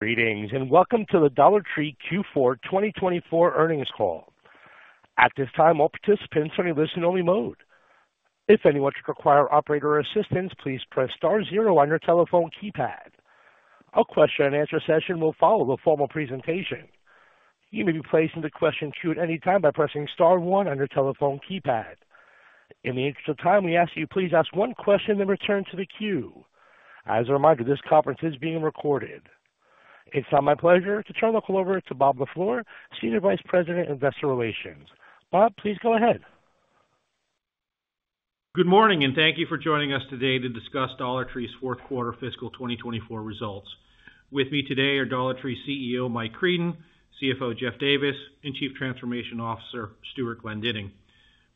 Greetings and welcome to the Dollar Tree Q4 2024 earnings call. At this time, all participants are in a listen only mode. If anyone should require operator assistance, please press star zero on your telephone keypad. Our question and answer session will follow the formal presentation. You may be placed into question queue at any time by pressing star one on your telephone keypad. In the interest of time we ask you, please ask one question, then return to the queue. As a reminder, this conference is being recorded. It's now my pleasure to turn the call over to Bob LaFleur, Senior Vice President, Investor Relations. Bob, please go. Good morning. Thank you for joining us today. To discuss Dollar Tree's fourth quarter fiscal 2024 results. With me today are Dollar Tree. CEO Mike Creedon, CFO Jeff Davis, and. Chief Transformation Officer Stewart Glendinning.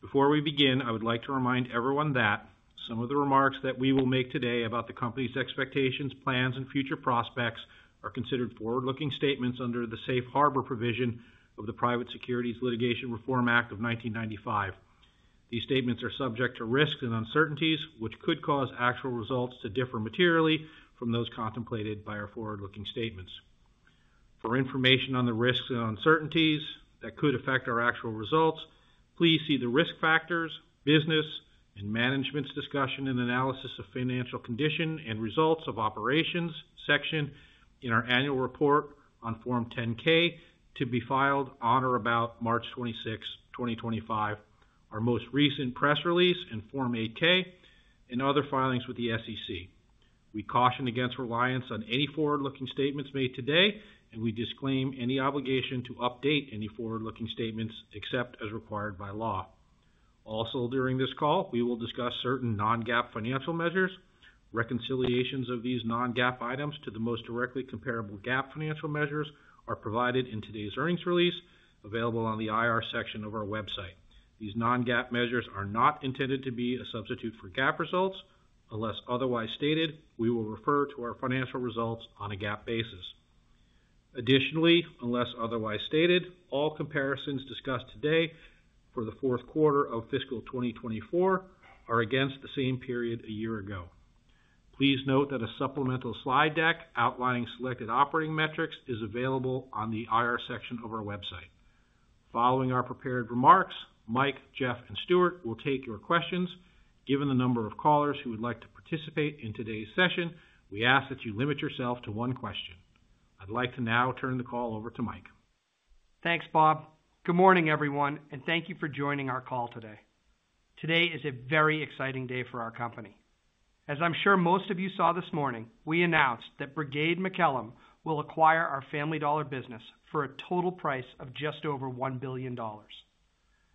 Before we begin, I would like to remind everyone that some of the. Remarks that we will make today about. The company's expectations, plans and future prospects are considered forward looking statements under the safe harbor provision of the Private Securities Litigation Reform Act of 1995. These statements are subject to risks and uncertainties which could cause actual results to differ materially from those contemplated by our forward looking statements. For information on the risks and uncertainties that could affect our actual results, please see the Risk Factors, Business and Management's Discussion and Analysis of Financial Condition and Results of Operations section in our annual report on Form 10-K to be filed on or about March 26, 2025, our most recent press release and Form 8-K and other filings with the SEC. We caution against reliance on any forward looking statements made today and we disclaim any obligation to update any forward looking statements except as required by law. Also, during this call we will discuss certain non-GAAP financial measures. Reconciliations of these non-GAAP items to the most directly comparable GAAP financial measures are provided in today's earnings release available on the IR section of our website. These non-GAAP measures are not intended to be a substitute for GAAP results. Unless otherwise stated, we will refer to our financial results on a GAAP basis. Additionally, unless otherwise stated, all comparisons discussed today for the fourth quarter of fiscal 2024 are against the same period a year ago. Please note that a supplemental slide deck outlining selected operating metrics is available on the IR section of our website. Following our prepared remarks, Mike, Jeff, and Stewart will take your questions. Given the number of callers who would like to participate in today's session, we ask that you limit yourself to one question. I'd like to now turn the call over to. Mike. Thanks, Bob. Good morning everyone and thank you for joining our call today. Today is a very exciting day for our company. As I'm sure most of you saw this morning, we announced that Brigade Macellum will acquire our Family Dollar business for a total price of just over $1 billion.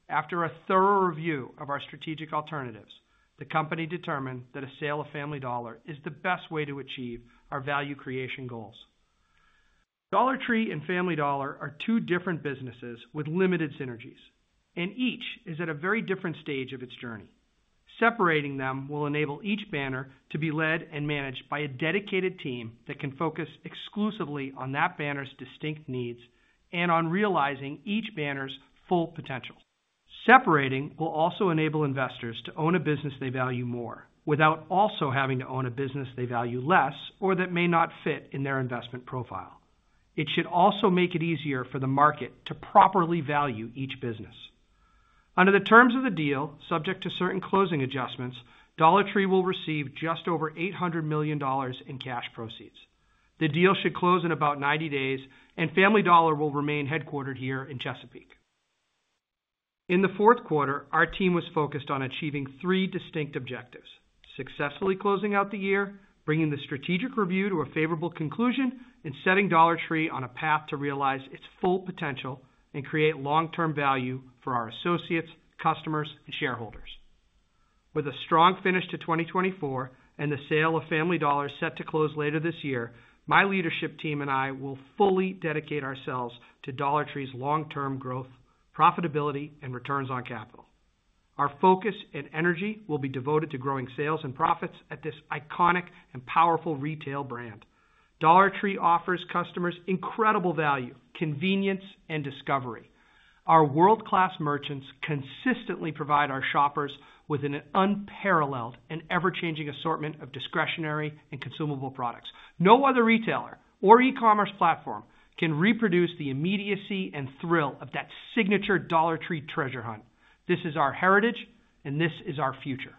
After a thorough review of our strategic alternatives, the company determined that a sale of Family Dollar is the best way to achieve our value creation goals. Dollar Tree and Family Dollar are two different businesses with limited synergies and each is at a very different stage of its journey. Separating them will enable each banner to be led and managed by a dedicated team that can focus exclusively on that banner's distinct needs and on realizing each banner's full potential. Separating will also enable investors to own a business they value more without also having to own a business they value less or that may not fit in their investment profile. It should also make it easier for the market to properly value each business. Under the terms of the deal, subject to certain closing adjustments, Dollar Tree will receive just over $800 million in cash proceeds. The deal should close in about 90 days and Family Dollar will remain headquartered here in Chesapeake. In the fourth quarter, our team was focused on achieving three distinct objectives. Successfully closing out the year, bringing the strategic review to a favorable conclusion, and setting Dollar Tree on a path to realize its full potential and create long-term value for our associates, customers and shareholders. With a strong finish to 2024 and the sale of Family Dollar set to close later this year, my leadership team and I will fully dedicate ourselves to Dollar Tree's long-term growth, profitability, and returns on capital. Our focus and energy will be devoted to growing sales and profits at this iconic and powerful retail brand. Dollar Tree offers customers incredible value, convenience, and discovery. Our world-class merchants consistently provide our shoppers with an unparalleled and ever-changing assortment of discretionary and consumable products. No other retailer or e-commerce platform can reproduce the immediacy and thrill of that signature Dollar Tree treasure hunt. This is our heritage and this is our future.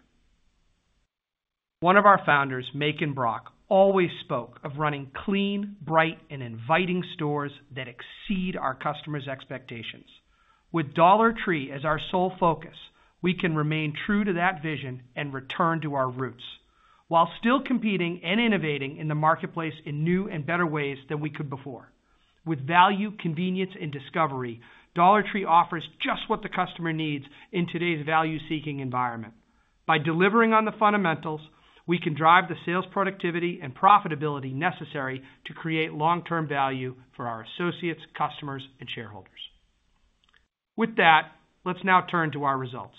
One of our founders, Macon Brock, always spoke of running clean, bright, and inviting stores that exceed our customers' expectations. With Dollar Tree as our sole focus, we can remain true to that vision and return to our roots while still competing and innovating in the marketplace in new and better ways than we could before. With value, convenience and discovery, Dollar Tree offers just what the customer needs in today's value seeking environment. By delivering on the fundamentals, we can drive the sales productivity and profitability necessary to create long term value for our associates, customers and shareholders. With that, let's now turn to our results.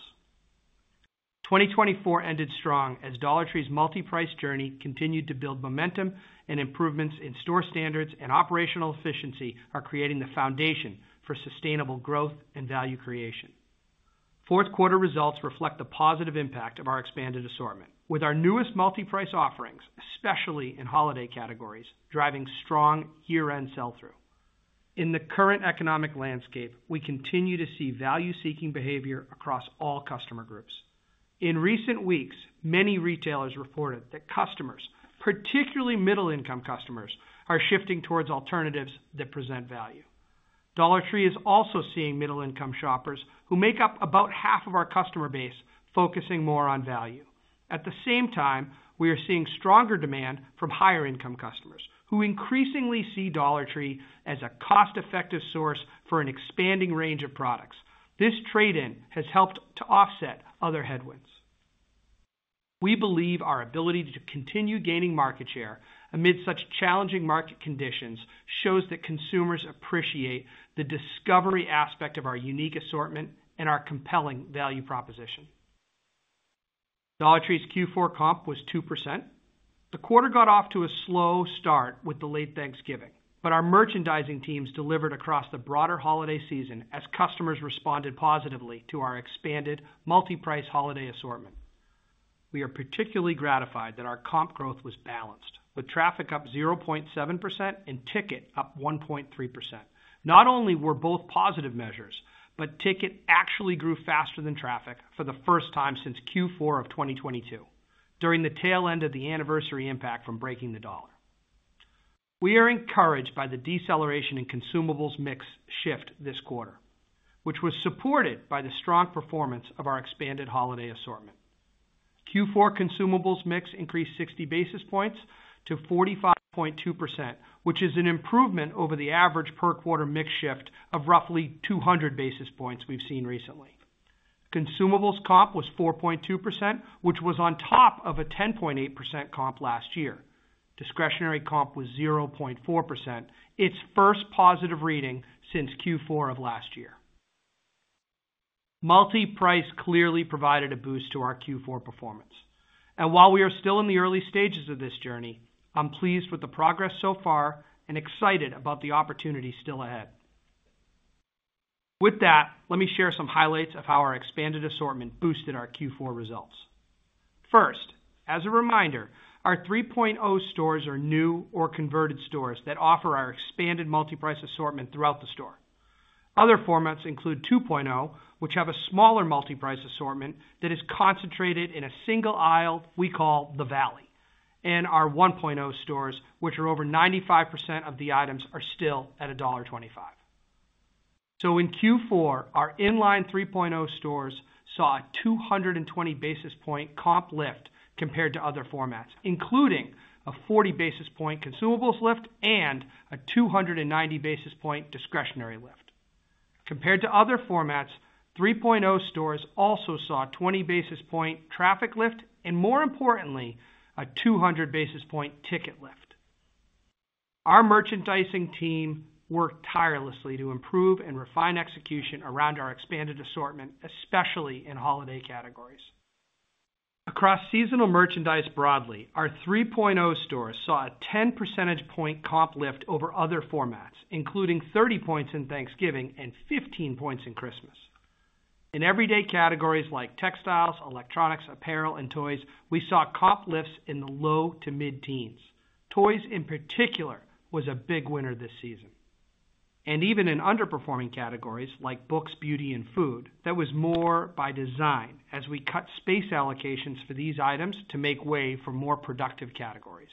2024 ended strong as Dollar Tree's Multi-Price journey continued to build momentum and improvements in store standards and operational efficiency are creating the foundation for sustainable growth and value creation. Fourth quarter results reflect the positive impact of our expanded assortment with our newest Multi-Price offerings especially in holiday categories driving strong year end sell through. In the current economic landscape, we continue to see value-seeking behavior across all customer groups. In recent weeks, many retailers reported that customers, particularly middle income customers, are shifting towards alternatives that present value. Dollar Tree is also seeing middle income shoppers, who make up about half of our customer base, focusing more on value. At the same time, we are seeing stronger demand from higher income customers who increasingly see Dollar Tree as a cost-effective source for an expanding range of products. This trade-in has helped to offset other headwinds. We believe our ability to continue gaining market share amid such challenging market conditions shows that consumers appreciate the discovery aspect of our unique assortment and our compelling value proposition. Dollar Tree's Q4 comp was 2%. The quarter got off to a slow start with the late Thanksgiving, but our merchandising teams delivered across the broader holiday season as customers responded positively to our expanded Multi-Price holiday assortment. We are particularly gratified that our comp growth was balanced with traffic up 0.7% and ticket up 1.3%. Not only were both positive measures, but ticket actually grew faster than traffic for the first time since Q4 of 2022 during the tail end of the anniversary impact from breaking the dollar. We are encouraged by the deceleration in consumables mix shift this quarter, which was supported by the strong performance of our expanded holiday assortment. Q4 consumables mix increased 60 basis points to 45.2%, which is an improvement over the average per quarter mix shift of roughly 200 basis points we have seen recently. Consumables comp was 4.2% which was on top of a 10.8% comp last year. Discretionary comp was 0.4%, its first positive reading since Q4 of last year. Multi-Price clearly provided a boost to our Q4 performance and while we are still in the early stages of this journey, I'm pleased with the progress so far and excited about the opportunity still ahead. With that, let me share some highlights of how our expanded assortment boosted our Q4 results. First, as a reminder, our 3.0 stores are new or converted stores that offer our expanded Multi-Price assortment throughout the store. Other formats include 2.0 which have a smaller Multi-Price assortment that is concentrated in a single aisle we call the Valley and our 1.0 stores which are over 95% of the items are still at $1.25. In Q4, our inline 3.0 stores saw a 220 basis point comp lift compared to other formats including a 40 basis point consumables lift and a 290 basis point discretionary lift. Compared to other formats, 3.0 stores also saw a 20 basis point traffic lift and more importantly a 200 basis point ticket lift. Our merchandising team worked tirelessly to improve and refine execution around our expanded assortment, especially in holiday categories. Across seasonal merchandise broadly, our 3.0 stores saw a 10 percentage point comp lift over other formats including 30 points in Thanksgiving and 15 points in Christmas. In everyday categories like textiles, electronics, apparel and toys, we saw comp lifts in the low to mid teens. Toys in particular was a big winner this season and even in underperforming categories like books, beauty and food that was more by design as we cut. Space allocations for these items to make. Way for more productive categories.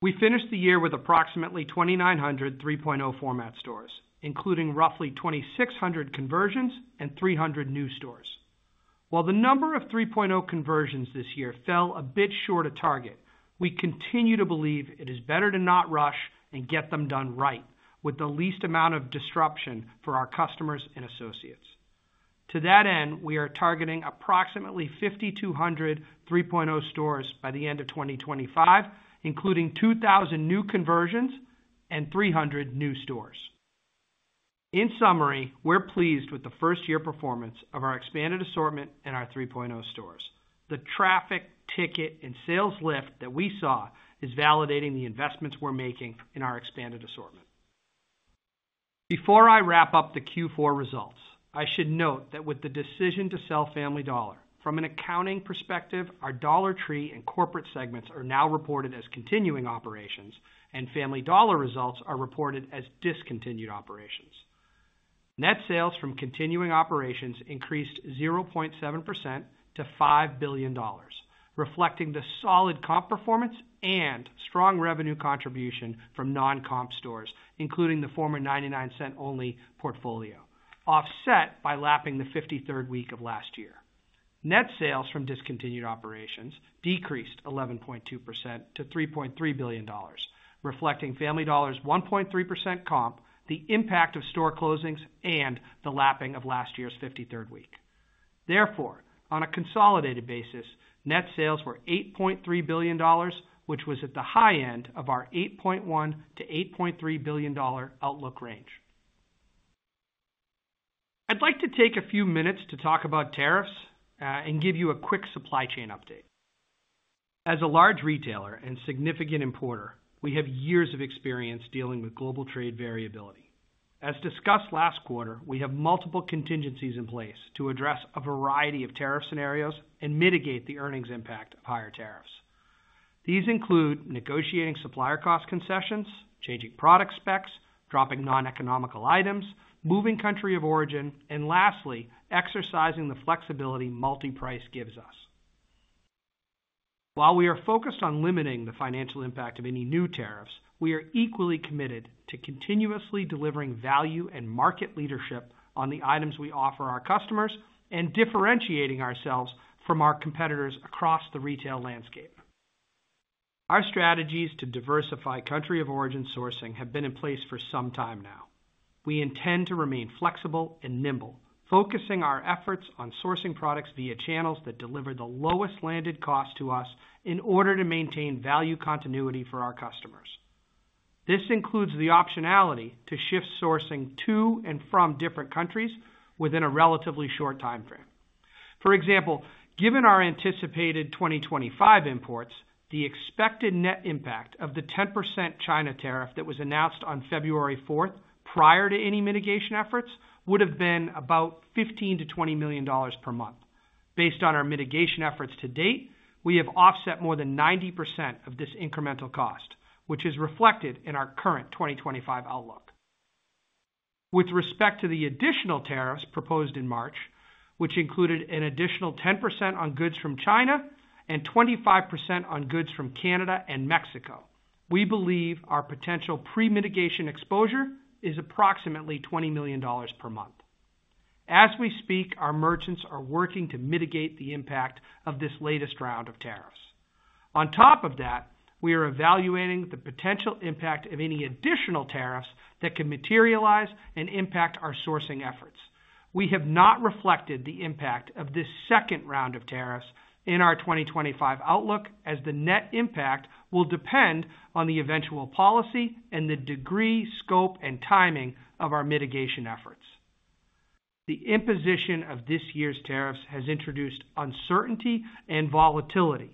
We finished the year with approximately 2,900 3.0 format stores including roughly 2,600 conversions and 300 new stores. While the number of 3.0 conversions this year fell a bit short of target, we continue to believe it is better to not rush and get them done right with the least amount of disruption for our customers and associates. To that end, we are targeting approximately 5,200 3.0 stores by the end of 2025, including 2,000 new conversions and 300 new stores. In summary, we're pleased with the first year performance of our expanded assortment and our 3.0 stores. The traffic, ticket, and sales lift that we saw is validating the investments we're making in our expanded assortment. Before I wrap up the Q4 results, I should note that with the decision to sell Family Dollar from an accounting perspective, our Dollar Tree and corporate segments are now reported as continuing operations and Family Dollar results are reported as discontinued operations. Net sales from continuing operations increased 0.7% to $5 billion, reflecting the solid comp performance and strong revenue contribution from non comp stores, including the former 99 Cents Only portfolio offset by lapping the 53rd week of last year. Net sales from discontinued operations decreased 11.2% to $3.3 billion, reflecting Family Dollar's 1.3% comp, the impact of store closings and the lapping of last year's 53rd week. Therefore, on a consolidated basis, net sales were $8.3 billion, which was at the high end of our $8.1billion-$8.3 billion outlook. Range. I'd like to take a few. Minutes to talk about tariffs and give you a quick supply chain update. As a large retailer and significant importer, we have years of experience dealing with global trade variability. As discussed last quarter, we have multiple contingencies in place to address a variety of tariff scenarios and mitigate the earnings impact of higher tariffs. These include negotiating supplier cost concessions, changing product specs, dropping non economical items, moving country of origin, and lastly exercising the flexibility Multi-Price gives us. While we are focused on limiting the financial impact of any new tariffs, we are equally committed to continuously delivering value and market leadership on the items we offer our customers and differentiating ourselves from our competitors across the retail landscape. Our strategies to diversify country of origin sourcing have been in place for some time now. We intend to remain flexible and nimble, focusing our efforts on sourcing products via channels that deliver the lowest landed cost to us in order to maintain value continuity for our customers. This includes the optionality to shift sourcing to and from different countries within a relatively short time frame. For example, given our anticipated 2025 imports, the expected net impact of the 10% China tariff that was announced on February 4th prior to any mitigation efforts would have been about $15 million-$20 million per month. Based on our mitigation efforts to date, we have offset more than 90% of this incremental cost, which is reflected in our current 2025 outlook. With respect to the additional tariffs proposed in March, which included an additional 10% on goods from China and 25% on goods from Canada and Mexico, we believe our potential pre mitigation exposure is approximately $20 million per month. As we speak, our merchants are working to mitigate the impact of this latest round of tariffs. On top of that, we are evaluating the potential impact of any additional tariffs that can materialize and impact our sourcing efforts. We have not reflected the impact of this second round of tariffs in our 2025 outlook as the net impact will depend on the eventual policy and the degree, scope and timing of our mitigation efforts. The imposition of this year's tariffs has introduced uncertainty and volatility,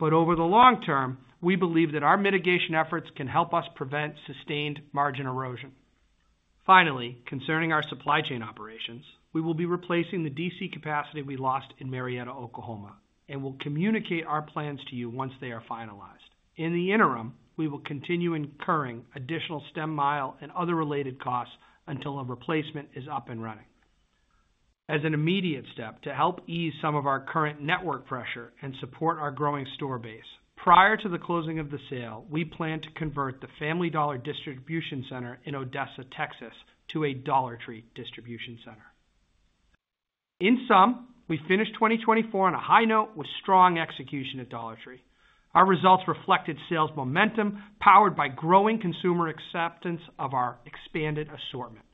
but over the long term we believe that our mitigation efforts can help us prevent sustained margin erosion. Finally, concerning our supply chain operations, we will be replacing the DC capacity we lost in Marietta, Oklahoma and will communicate our plans to you once they are finalized. In the interim, we will continue incurring additional stem mile and other related costs until a replacement is up and running as an immediate step to help ease some of our current network pressure and support our growing store base. Prior to the closing of the sale, we plan to convert the Family Dollar distribution center in Odessa, Texas to a Dollar Tree distribution. Center. In sum, we finished 2024 on. A high note with strong execution at Dollar Tree. Our results reflected sales momentum powered by growing consumer acceptance of our expanded assortment.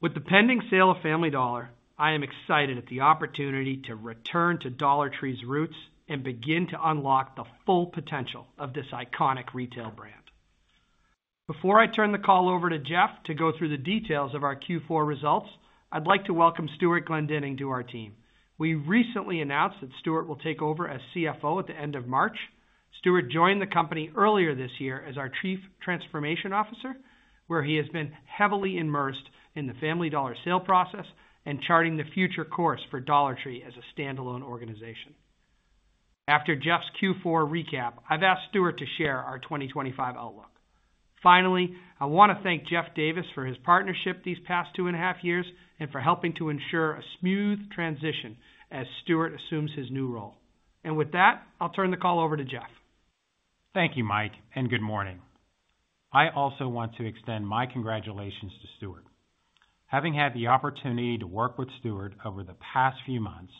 With the pending sale of Family Dollar, I am excited at the opportunity to return to Dollar Tree's roots and begin to unlock the full potential of this iconic retail brand. Before I turn the call over to Jeff to go through the details of our Q4 results, I'd like to welcome Stewart Glendinning to our team. We recently announced that Stewart will take over as CFO at the end of March. Stewart joined the company earlier this year as our Chief Transformation Officer, where he has been heavily immersed in the Family Dollar sale process and charting the future course for Dollar Tree as a standalone organization. After Jeff's Q4 recap, I've asked Stewart to share our 2025 outlook. Finally, I want to thank Jeff Davis for his partnership these past two and a half years and for helping to ensure a smooth transition as Stewart assumes his new role. With that, I'll turn the call over to Jeff. Thank you Mike and good morning. I also want to extend my congratulations to Stewart. Having had the opportunity to work with Stewart over the past few months,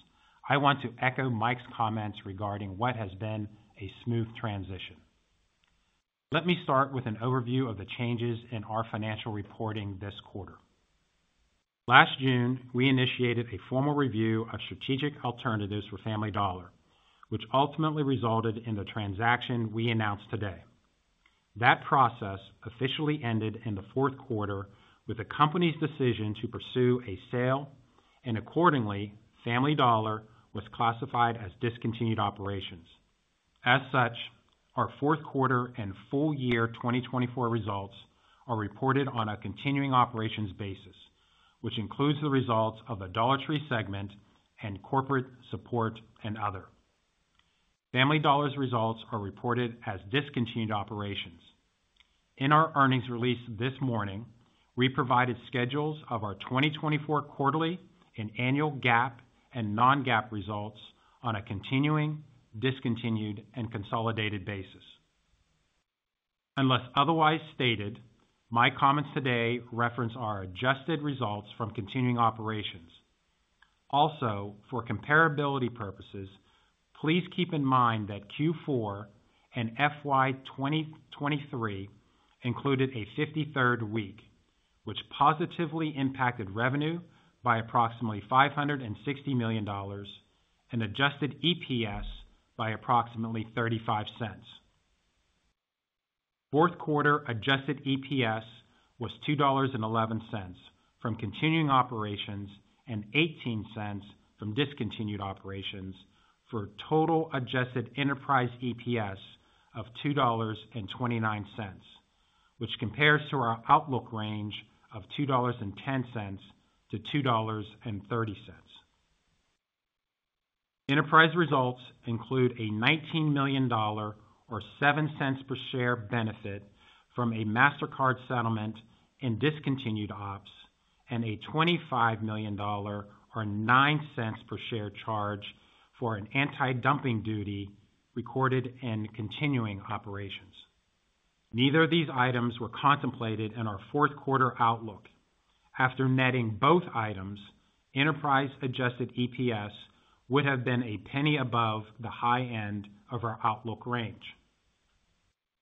I want to echo Mike's comments regarding what has been a smooth transition. Let me start with an overview of the changes in our financial reporting this quarter. Last June we initiated a formal review of strategic alternatives for Family Dollar which ultimately resulted in the transaction we announced today. That process officially ended in the fourth quarter with the company's decision to pursue a sale, and accordingly, Family Dollar was classified as discontinued operations. As such, our fourth quarter and full year 2024 results are reported on a continuing operations basis, which includes the results of the Dollar Tree segment and corporate support and other Family Dollar results are reported as discontinued operations. In our earnings release this morning, we provided schedules of our 2024 quarterly and annual GAAP and non-GAAP results on a continuing, discontinued, and consolidated basis. Unless otherwise stated, my comments today reference our adjusted results from continuing operations. Also, for comparability purposes, please keep in mind that Q4 and FY 2023 included a 53rd week which positively impacted revenue by approximately $560 million and adjusted EPS by approximately $0.35. Fourth quarter adjusted EPS was $2.11 from continuing operations and $0.18 from discontinued operations for total adjusted enterprise EPS of $2.29, which compares to our outlook range of $2.10-$2.30. Enterprise results include a $19 million, or $0.07 per share, benefit from a Mastercard settlement in Discontinued Ops and a $25 million, or $0.09 per share, charge for an anti-dumping duty recorded in continuing operations. Neither of these items were contemplated in our fourth quarter outlook. After netting both items, enterprise adjusted EPS would have been a penny above the high end of our outlook range.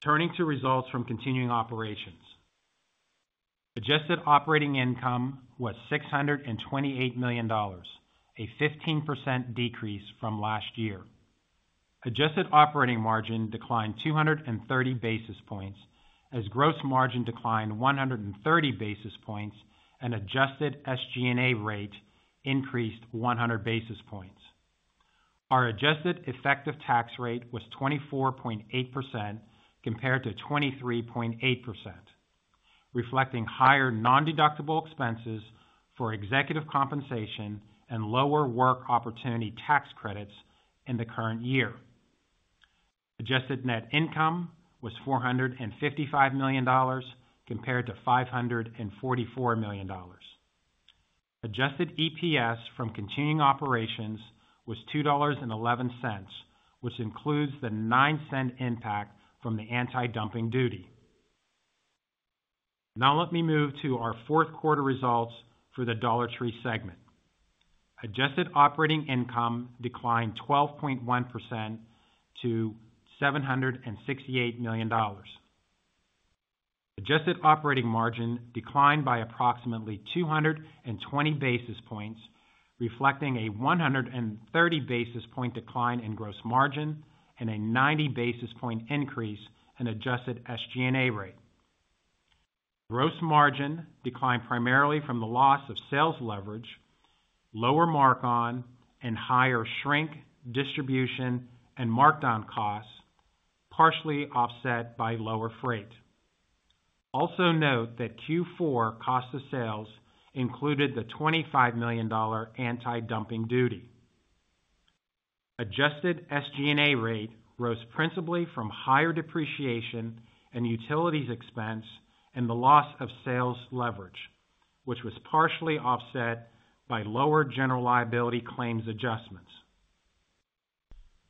Turning to results from continuing operations, adjusted operating income was $628 million, a 15% decrease from last year. Adjusted operating margin declined 230 basis points as gross margin declined 130 basis points and adjusted SG&A rate increased 100 basis points. Our adjusted effective tax rate was 24.8% compared to 23.8% reflecting higher non deductible expenses for executive compensation and lower Work Opportunity Tax Credits. In the current year, adjusted net income was $455 million compared to $544 million. Adjusted EPS from continuing operations was $2.11 which includes the $0.09 impact from the anti-dumping duty. Now let me move to our fourth quarter results for the Dollar Tree segment. Adjusted operating income declined 12.1% to $768 million. Adjusted operating margin declined by approximately 220 basis points reflecting a 130 basis point decline in gross margin and a 90 basis point increase in adjusted SG&A rate. Gross margin declined primarily from the loss of sales leverage, lower mark on and higher shrink, distribution and markdown costs, partially offset by lower freight. Also note that Q4 cost of sales included the $25 million anti-dumping duty. Adjusted SG&A rate rose principally from higher depreciation and utilities expense and the loss of sales leverage, which was partially offset by lower general liability claims adjustments.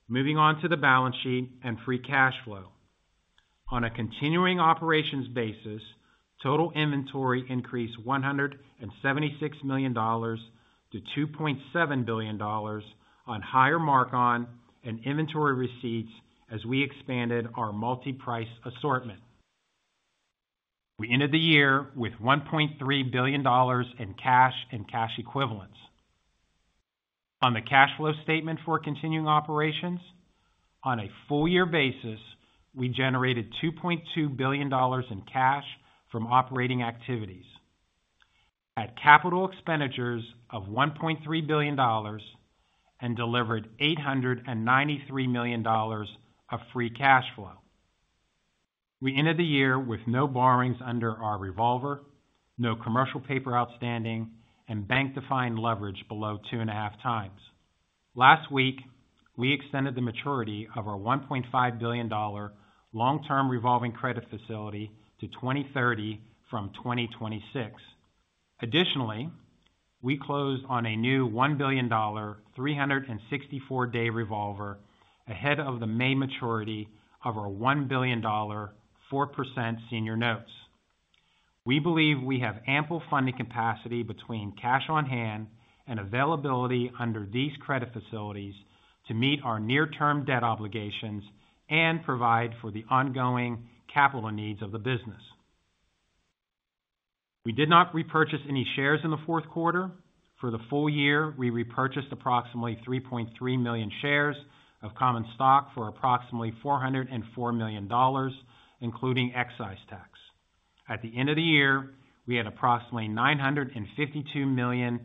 Moving on to the balance sheet and free cash flow on a continuing operations basis, total inventory increased $176 million to $2.7 billion on higher mark on and inventory receipts as we expanded our Multi-Price assortment. We ended the year with $1.3 billion in cash and cash equivalents on the cash flow statement for continuing operations. On a full year basis, we generated $2.2 billion in cash from operating activities at capital expenditures of $1.3 billion and delivered $893 million of free cash flow. We ended the year with no borrowings under our revolver, no commercial paper outstanding and bank defined leverage below 2 1/2x. Last week we extended the maturity of our $1.5 billion long term revolving credit facility to 2030 from 2026. Additionally, we closed on a new $1 billion 364 day revolver ahead of the May maturity of our $1 billion 4% senior notes. We believe we have ample funding capacity between cash on hand and availability under these credit facilities to meet our near term debt obligations and provide for the ongoing capital needs of the business. We did not repurchase any shares in the fourth quarter. For the full year we repurchased approximately 3.3 million shares of common stock for approximately $404 million including excise tax. At the end of the year we had approximately $952 million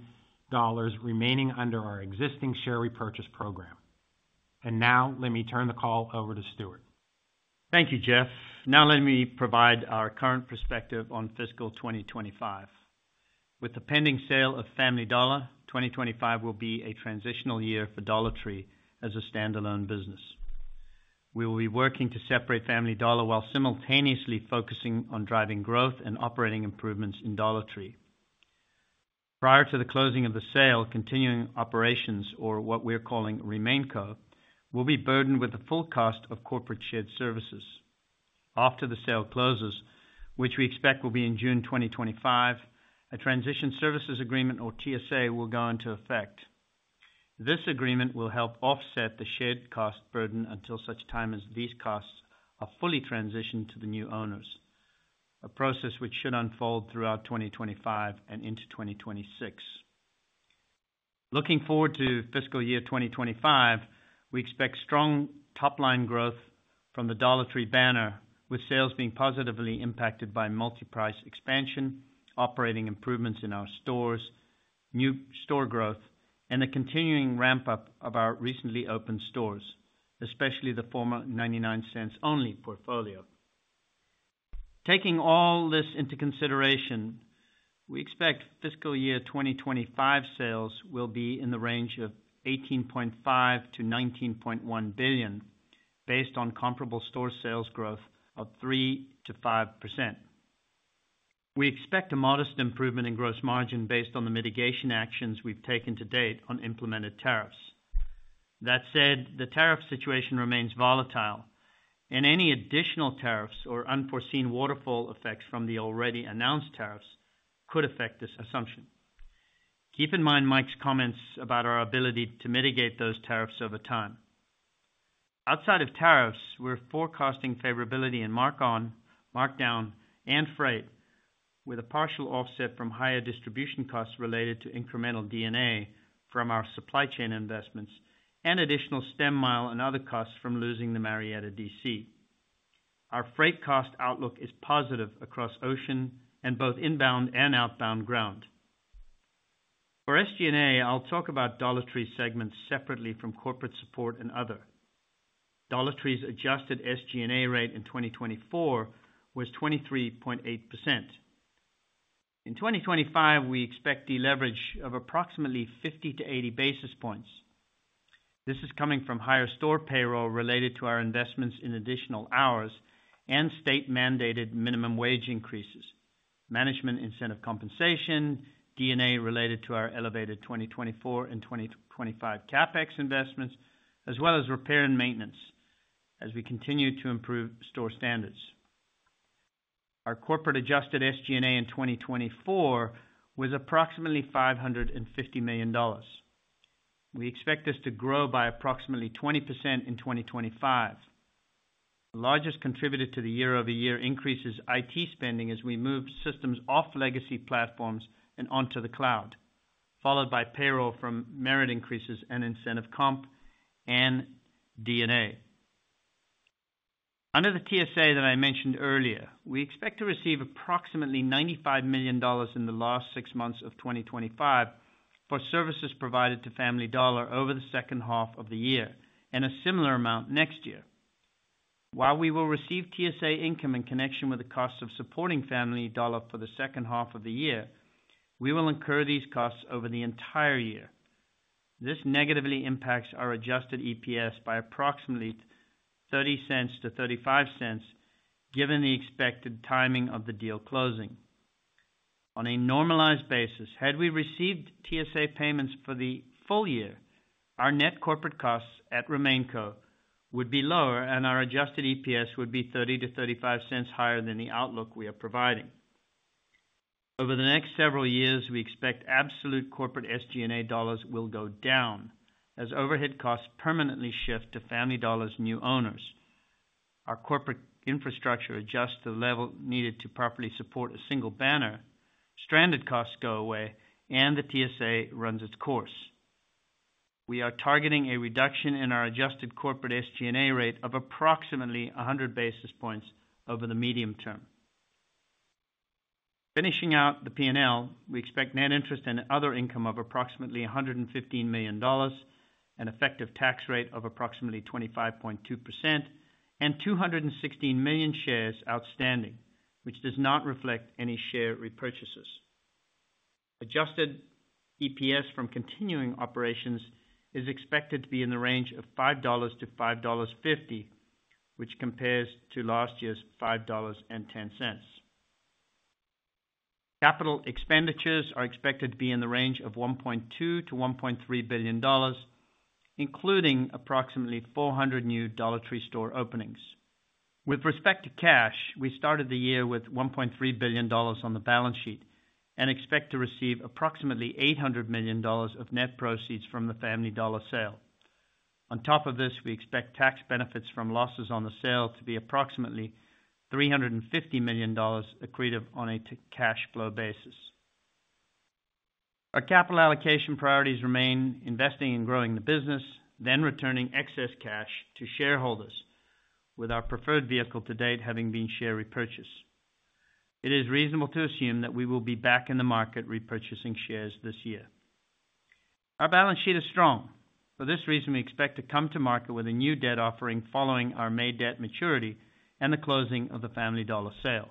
remaining under our existing share repurchase program and now let me turn the call over to Stewart thank you. Jeff. Now let me provide our current perspective on fiscal 2025. With the pending sale of Family Dollar, 2025 will be a transitional year for Dollar Tree. As a standalone business, we will be working to separate Family Dollar while simultaneously focusing on driving growth and operating improvements in Dollar Tree prior to the closing of the sale. Continuing operations, or what we are calling RemainCo, will be burdened with the full cost of corporate shared services. After the sale closes, which we expect will be in June 2025, a Transition Services Agreement or TSA will go into effect. This agreement will help offset the shared cost burden until such time as these costs are fully transitioned to the new owners, a process which should unfold throughout 2025 and into 2026. Looking forward to fiscal year 2025, we expect strong top line growth from the Dollar Tree banner with sales being positively impacted by multi price expansion, operating improvements in our stores, new store growth and the continuing ramp up of our recently opened stores, especially the former 99 Cents Only Stores portfolio. Taking all this into consideration, we expect fiscal year 2025 sales will be in the range of $18.5 billion-$19.1 billion. Based on comparable store sales growth of 3%-5%. We expect a modest improvement in gross margin based on the mitigation actions we've taken to date on implemented tariffs. That said, the tariff situation remains volatile and any additional tariffs or unforeseen waterfall effects from the already announced tariffs could affect this assumption. Keep in mind Mike's comments about our ability to mitigate those tariffs over time. Outside of tariffs, we're forecasting favorability in mark on markdown and freight with a partial offset from higher distribution costs related to incremental D&A from our supply chain investments and additional stem mile and other costs from losing the Marietta DC. Our freight cost outlook is positive across ocean and both inbound and outbound ground. For SG&A, I'll talk about Dollar Tree segments separately from corporate support and other. Dollar Tree's adjusted SG&A rate in 2024 was 23.8%. In 2025 we expect deleverage of approximately 50 basis points-80 basis points. This is coming from higher store payroll related to our investments in additional hours and state mandated minimum wage increases, management incentive compensation, D&A related to our elevated 2024 and 2025 CapEx investments as well as repair and maintenance as we continue to improve store standards. Our corporate adjusted SG&A in 2024 was approximately $550 million. We expect this to grow by approximately 20% in 2025. The largest contributor to the year-over-year increase is IT spending as we move systems off legacy platforms and onto the cloud, followed by payroll from merit increases and incentive comp and DNA. Under the TSA that I mentioned earlier, we expect to receive approximately $95 million in the last six months of 2024 for services provided to Family Dollar over the second half of the year and a similar amount next year. While we will receive TSA income in connection with the cost of supporting Family Dollar for the second half of the year, we will incur these costs over the entire year. This negatively impacts our adjusted EPS by approximately $0.30-$0.35, given the expected timing of the deal closing on a normalized basis. Had we received TSA payments for the full year, our net corporate costs at RemainCo would be lower and our adjusted EPS would be $0.30-$0.35 higher than the outlook we are providing over the next several years. We expect absolute corporate SG&A dollars will go down as overhead costs permanently shift to Family Dollar's new owners. Our corporate infrastructure adjusts to the level needed to properly support a single banner, stranded costs go away and the TSA runs its course. We are targeting a reduction in our adjusted corporate SG&A rate of approximately 100 basis points over the medium term. Finishing out the P&L. We expect net interest and other income of approximately $115 million, an effective tax rate of approximately 25.2% and 216 million shares outstanding, which does not reflect any share repurchases. Adjusted EPS from continuing operations is expected to be in the range of $5-$5.50, which compares to last year's $5.10. Capital expenditures are expected to be in the range of $1.2-$1.3 billion including approximately 400 new Dollar Tree store openings. With respect to cash, we started the year with $1.3 billion on the balance sheet and expect to receive approximately $800 million of net proceeds from the Family Dollar sale. On top of this, we expect tax benefits from losses on the sale to be approximately $350 million accretive on a cash flow. Basis, our capital allocation. Priorities remain investing and growing the business, then returning excess cash to shareholders. With our preferred vehicle to date having been share repurchase, it is reasonable to assume that we will be back in the market repurchasing shares this year. Our balance sheet is strong. For this reason, we expect to come to market with a new debt offering following our May debt maturity and the closing of the Family Dollar sale.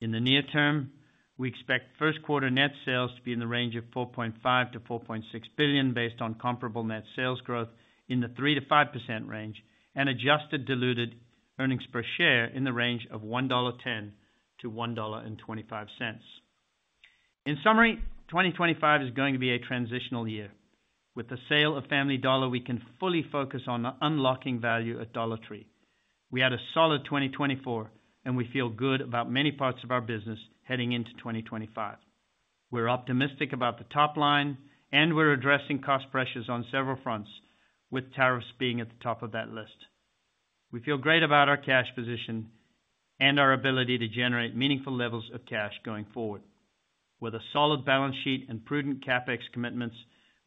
In the near term, we expect first quarter net sales to be in the range of $4.5 billion-$4.6 billion based on comparable net sales growth in the 3%-5% range and adjusted diluted earnings per share in the range of $1.10-$1.25. In summary, 2025 is going to be a transitional year. With the sale of Family Dollar, we can fully focus on unlocking value at Dollar Tree. We had a solid 2024 and we feel good about many parts of our business heading into 2025. We're optimistic about the top line and we're addressing cost pressures on several fronts with tariffs being at the top of that list. We feel great about our cash position and our ability to generate meaningful levels of cash going forward. With a solid balance sheet and prudent CapEx commitments,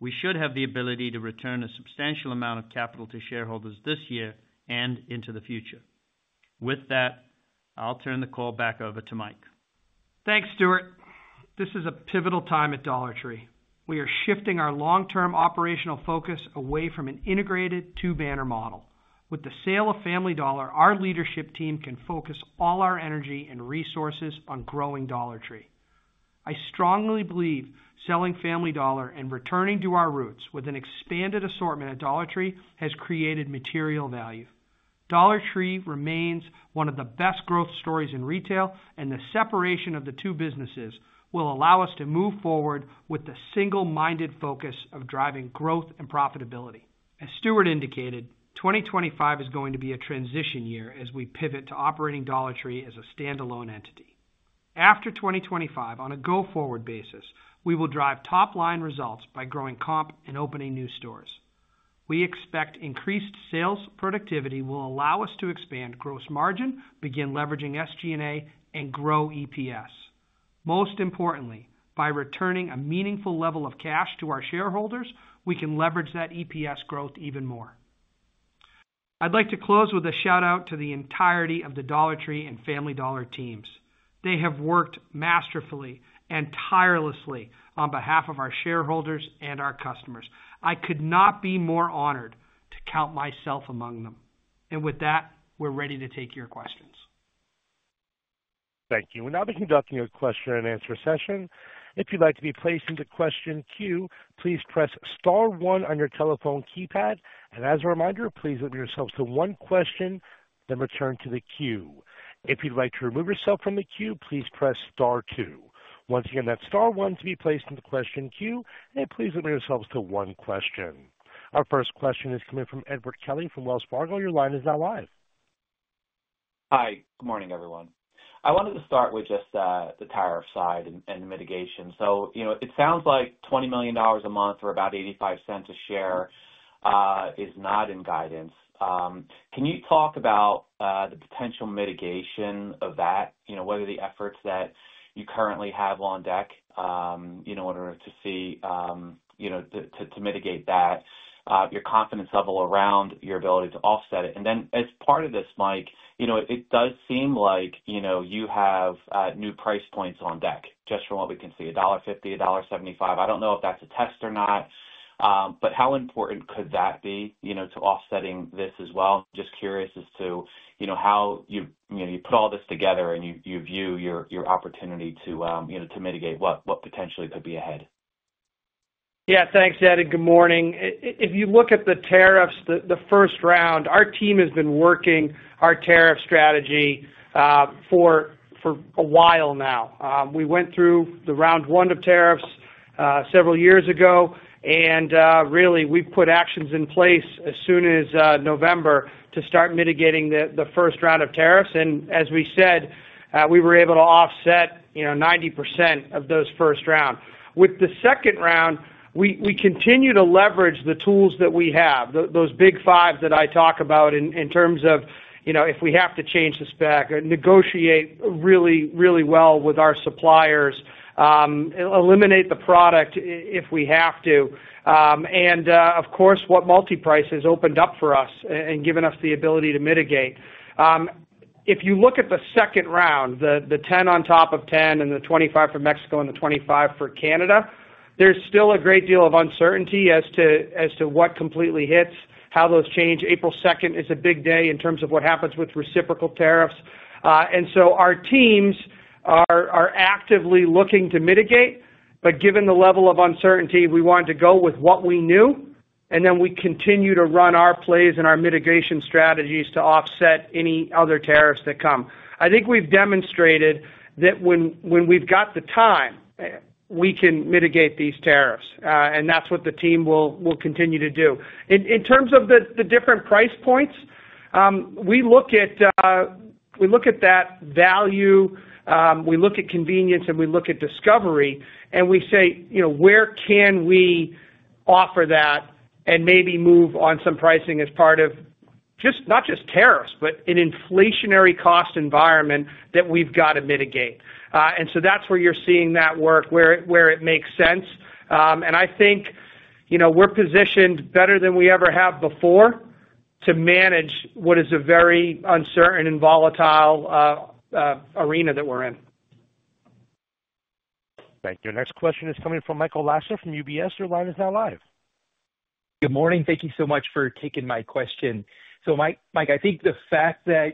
we should have the ability to return a substantial amount of capital to shareholders this year and into the future. With that, I'll turn the call back over to. Mike. Thanks Stewart. This is a pivotal time at Dollar. Tree. We are shifting our long term. Operational focus away from an integrated two banner model. With the sale of Family Dollar, our leadership team can focus all our energy and resources on growing Dollar Tree. I strongly believe selling Family Dollar and returning to our roots with an expanded assortment at Dollar Tree has created material value. Dollar Tree remains one of the best growth stories in retail and the separation of the two businesses will allow us to move forward with the single minded focus of driving growth and profitability. As Stewart indicated, 2025 is going to be a transition year. As we pivot to operating Dollar Tree as a standalone entity after 2025 on a go forward basis, we will drive top line results by growing comp and opening new stores. We expect increased sales productivity will allow us to expand gross margin, begin leveraging SG&A, and grow EPS. Most importantly, by returning a meaningful level of cash to our shareholders, we can leverage that EPS growth even more. I would like to close with a shout out to the entirety of the Dollar Tree and Family Dollar teams. They have worked masterfully and tirelessly on behalf of our shareholders and our customers. I could not be more honored to count myself among them. With that, we are ready to take your questions. Questions. Thank you. We will now be conducting a question and answer session. If you would like to be placed into the question queue, please press star one on your telephone keypad. As a reminder, please limit yourselves to one question, then return to the queue. If you would like to remove yourself from the queue, please press star two. Once again, that is star one to be placed in the question queue. Please limit yourselves to one question. Our first question is coming from Edward Kelly from Wells Fargo. Your line is now live. Hi. Good morning, everyone. I wanted to start with just the tariff side and mitigation. You know, it sounds like $20 million a month or about $0.85 a share is not in guidance. Can you talk about the potential mitigation of that? You know, what are the efforts that you currently have on deck in order to see, you know, to mitigate that? Your confidence level around your ability to offset it. As part of this, Mike, you know, it does seem like, you know, you have new price points on deck. Just from what we can see, $1.50, $1.75. I do not know if that is a test or not, but how important could that be, you know, to offsetting this as well? Just curious as to, you know, how you put all this together and you view your opportunity to mitigate what potentially could be. Yes. Thanks, Ed. Good morning. If you look at the tariffs, the first round, our team has been working our tariff strategy for a while now. We went through the round one of tariffs several years ago, and really we put actions in place as soon as November to start mitigating the first round of tariffs. As we said, we were able to offset, you know, 90% of those first round. With the second round, we continue to leverage the tools that we have, those big five that I talk about in terms of, you know, if we have to change the spec, negotiate really, really well with our suppliers, eliminate the product if we have to, and of course, what Multi-Price has opened up for us and given us the ability to mitigate. If you look at the second round, the 10 on top of 10 and the 25 for Mexico and the 25 for Canada, there's still a great deal of uncertainty as to what completely hits, how those change. April 2nd is a big day in terms of what happens with reciprocal tariffs. Our teams are actively looking to mitigate, but given the level of uncertainty, we wanted to go with what we knew and then we continue to run our plays and our mitigation strategies to offset any other tariffs that come. I think we've demonstrated that when we've got the time, we can mitigate these tariffs and that's what the team will continue to do. In terms of the different price points. We look at that value, we look at convenience and we look at discovery and we say where can we offer that and maybe move on some pricing as part of just not just tariffs but an inflationary cost environment that we have got to mitigate. That is where you are seeing that work, where it makes sense. I think, you know, we are positioned better than we ever have before to manage what is a very uncertain and volatile arena that we are. Thank you. Next question is coming from Michael Lasser from UBS. Your line is now. Live. Good. Morning. Thank you so much for taking my question. Mike, I think the fact. That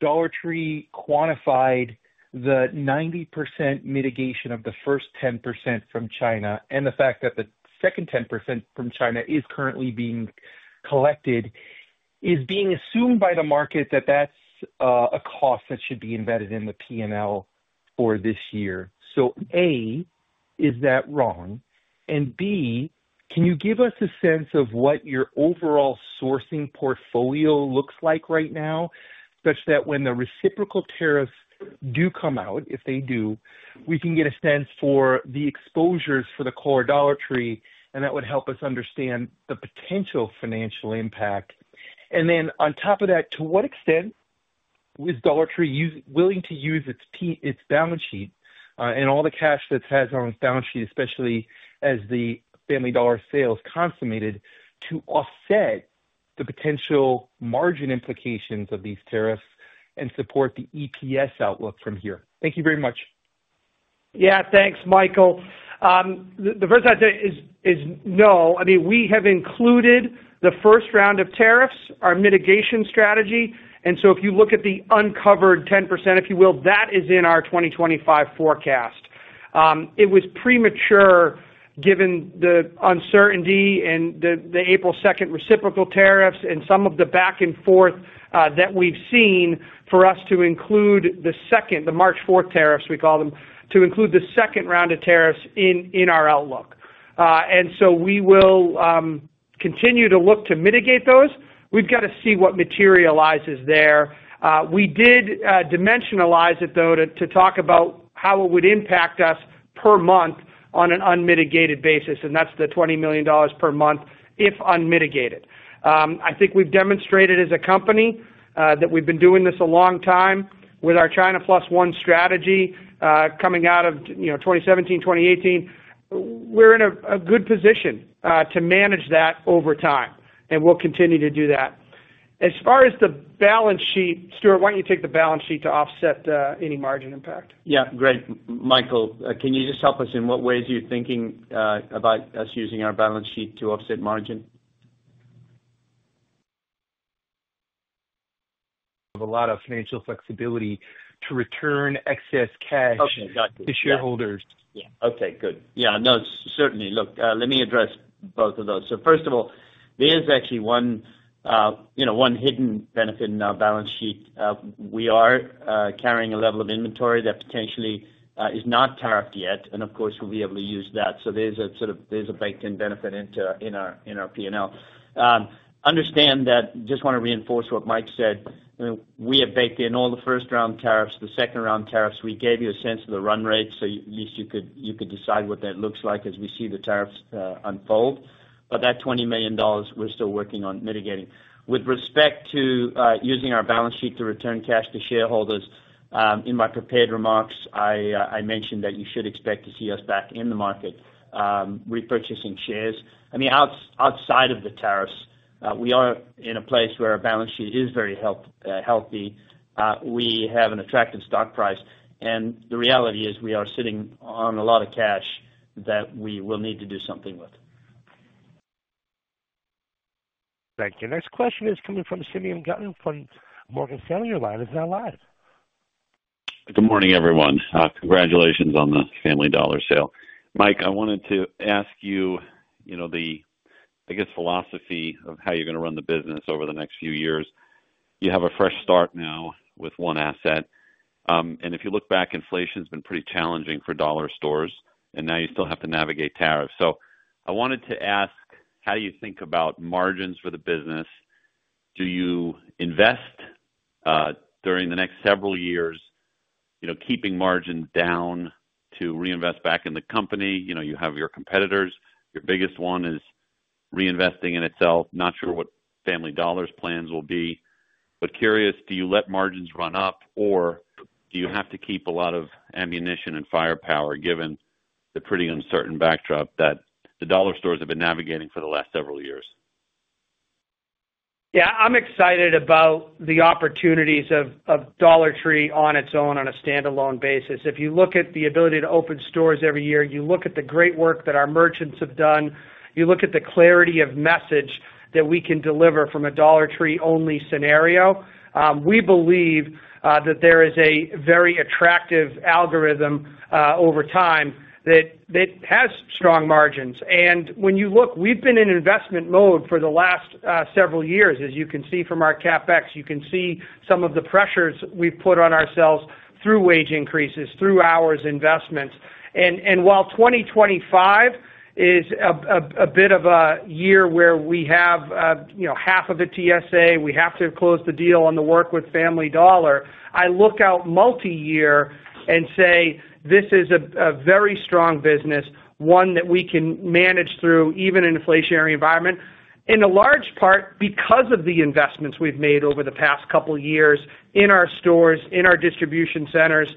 Dollar Tree quantified the 90% mitigation of the first 10% from China and the fact that the second 10% from China is currently being collected is being assumed by the market that that a cost that should be embedded in the P&L for this year. A, is that wrong? B, can you give us a sense of what your overall sourcing portfolio looks like right now such that when the reciprocal tariffs do come out, if they do, we can get a sense for the exposures for the core Dollar Tree and that would help us understand the potential financial impact on. To what extent is Dollar Tree willing to use its balance sheet and all the cash that it has on its balance sheet, especially as the Family Dollar sale is consummated, to offset the potential margin implications of these tariffs and support the EPS outlook from here? Thank you very much. Yeah, thanks, Michael. The first idea is, is no, I mean we have included the first round of tariffs, our mitigation strategy, and so if you look at the uncovered 10%, if you will, that is in our 2025 forecast, it was premature given the uncertainty and the April 2nd reciprocal tariffs and some of the back and forth that we've seen for us to include the second. The March 4 tariffs, we call them, to include the second round of tariffs in our outlook. We will continue to look to mitigate those. We've got to see what materializes there. We did dimensionalize it, though, to talk about how it would impact us per month on an unmitigated basis, and that's the $20 million per month if unmitigated. I think we've demonstrated as a company that we've been doing this a long time with our China Plus One strategy coming out of 2017, 2018. We're in a good position to manage that over time, and we'll continue to do that. As far as the balance sheet, Stewart, why don't you take the balance sheet to offset any margin impact? Yeah. Great. Michael, can you just help us? In what ways are you thinking about us using our balance sheet to offset. Margin? A lot of financial flexibility too. Return excess cash to shareholders. Okay, good. Yeah, no, certainly. Look, let me address both of those. First of all, there's actually one, you know, one hidden benefit in our balance sheet. We are carrying a level of inventory that potentially is not tariffed yet. Of course, we'll be able to use that. There's a sort of, there's a baked-in benefit in our P&L, understand that. Just want to reinforce what Mike said. We have baked in all the first round tariffs. The second round tariffs, we gave you a sense of the run rate, so at least you could decide what that looks like as we see the tariffs unfold. That $20 million we're still working on mitigating with respect to using our balance sheet to return cash to shareholders. In my prepared remarks, I mentioned that you should expect to see us back in the market repurchasing shares. I mean, outside of the tariffs, we are in a place where our balance sheet is very healthy. We have an attractive stock price, and the reality is we are sitting on a lot of cash that we will need to do something. With. Thank. You. Next question is coming from Simeon Gutman from Morgan Stanley. Your line is now. Good morning, everyone. Congratulations on the Family Dollar sale. Mike, I wanted to ask you the, I guess, philosophy of how you're going to run the business over the next few years. You have a fresh start now with one asset, and if you look back, inflation has been pretty challenging for dollar stores. You still have to navigate tariffs. I wanted to ask how you think about margins for the business. Do you invest during the next several years? You know, keeping margin down to reinvest back in the company. You know you have your competitors, your biggest one is reinvesting in itself. Not sure what Family Dollar's plans will be but curious, do you let margins run up or do you have to keep a lot of ammunition and firepower given the pretty uncertain backdrop that the dollar stores have been navigating for the last several. Years? Yeah, I'm excited about the opportunities of Dollar Tree on its own on a standalone basis. If the ability to open stores every year. You look at the great work that our merchants have done, you look at the clarity of message that we can deliver from a Dollar Tree only scenario. We believe that there is a very attractive algorithm over time that has strong margins. When you look, we've been in investment mode for the last several years as you can see from our CapEx, you can see some of the pressures we've put on ourselves through wage increases, through hours investments. While 2025 is a bit of a year where we have half of a TSA, we have to close the deal on the work with Family Dollar. I look out multi year and say this is a very strong business, one that we can manage through even in an inflationary environment in a large part because of the investments we've made over the past couple of years in our stores, in our distribution centers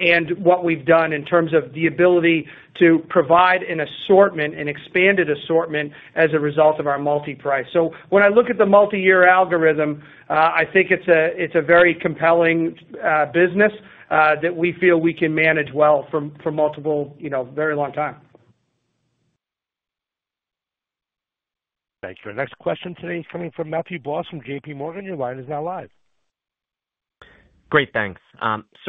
and what we've done in terms of the ability to provide an assortment, an expanded assortment as a result of our Multi-Price. When I look at the multiyear algorithm, I think it's a very compelling business that we feel we can manage well from multiple. Very long. Time. Thank. You. Our next question today is coming from Matthew Boss from JPMorgan. Your line is now. Live. Great. Thanks.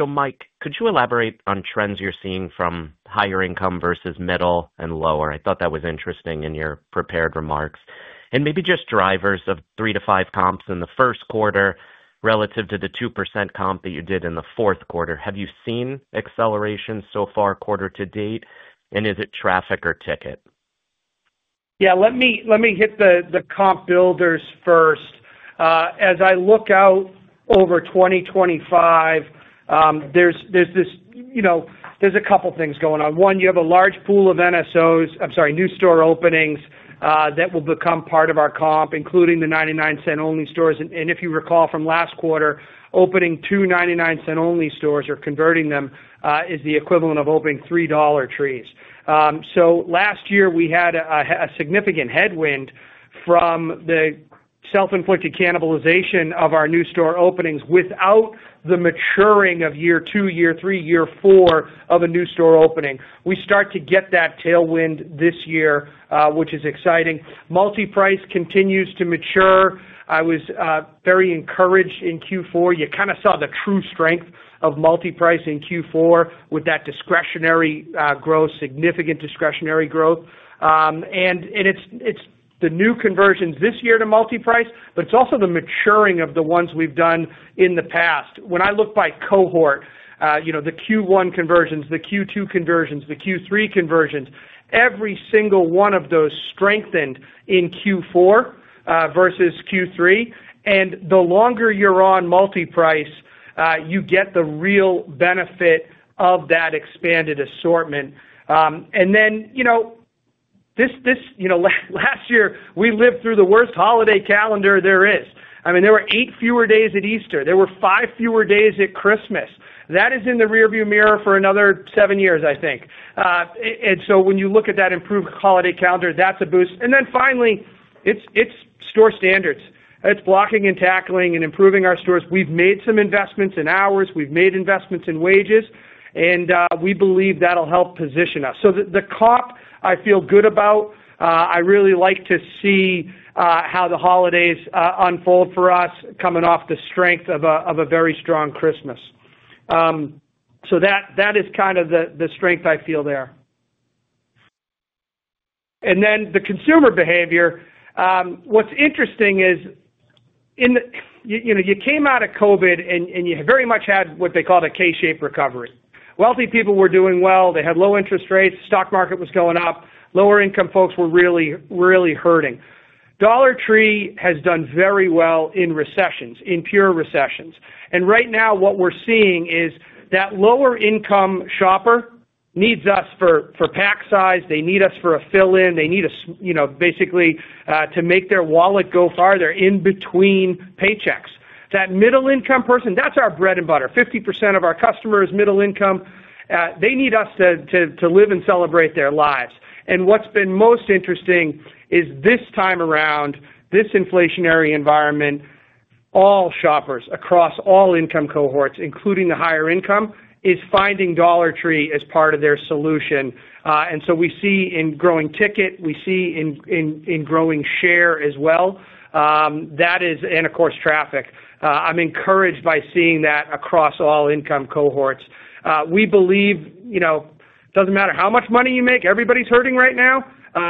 Mike, could you elaborate on. Trends you're seeing from higher income versus middle and. Lower? I thought that was interesting in your prepared remarks. Maybe just drivers of three to five comps in the first quarter. Relative to the 2% comp that you. Did in the fourth. Quarter. Have you seen acceleration so? Far? Quarter to date. Is it traffic or. Ticket? Yeah, let me hit the comp builders first. As I look out over 2025 there's this, you know, there's a couple things going on. One, you have a large pool of NSOs, I'm sorry, new store openings that will become part of our comp including the 99 Cents Only Stores. And if you recall from last quarter, opening two 99 Cents Only Stores or converting them to is the equivalent of opening three Dollar Trees. So last year we had a significant headwind from the self inflicted cannibalization of our new store openings. Without the maturing of year two, year three, year four of a new store opening. We start to get that tailwind this year, which is exciting. Multi-Price continues to mature. I was very encouraged in Q4. You kind of saw the true strength of Multi-Price in Q4 with that discretionary growth, significant discretionary growth. It is the new conversions this year to Multi-Price. It is also the maturing of the ones we have done in the past. When I look by cohort, the Q1 conversions, the Q2 conversions, the Q3 conversions, every single one of those strengthened in Q4 versus Q3. The longer you are on Multi-Price, you get the real benefit of that expanded. Assortment. Then, you. know, last year we lived through the worst holiday calendar there is. I mean, there were eight fewer days at Easter, there were five fewer days at Christmas. That is in the rearview mirror for another seven years, I think. When you look at that improved holiday calendar, that's a boost. Finally, it's store standards, it's blocking and tackling and improving our stores. We've made some investments in hours, we've made investments in wages, and we believe that'll help position us. The comp I feel good about, I really like to see how the holidays unfold for us coming off the strength of a very strong Christmas. That is kind of the strength I feel there. The consumer behavior, what's interesting is you came out of COVID and you very much had what they called a K-shaped recovery. Wealthy people were doing well, they had low interest rates, stock market was going up. Lower income folks were really, really hurting. Dollar Tree has done very well in recessions, in pure recessions. Right now what we're seeing is that lower income shopper needs us for pack size, they need us for a fill in. They need basically to make their wallet go farther in between paychecks. That middle income person, that's our bread and butter. 50% of our customers, middle income, they need us to live and celebrate their lives. What's been most interesting is this time around this inflationary environment, all shoppers across all income cohorts, including the higher income, is finding Dollar Tree as part of their solution. We see in growing ticket, we see in growing share as well, that is, and of course traffic. I'm encouraged by seeing that across all income cohorts, we believe, you know, it doesn't matter how much money you make, everybody's hurting right now.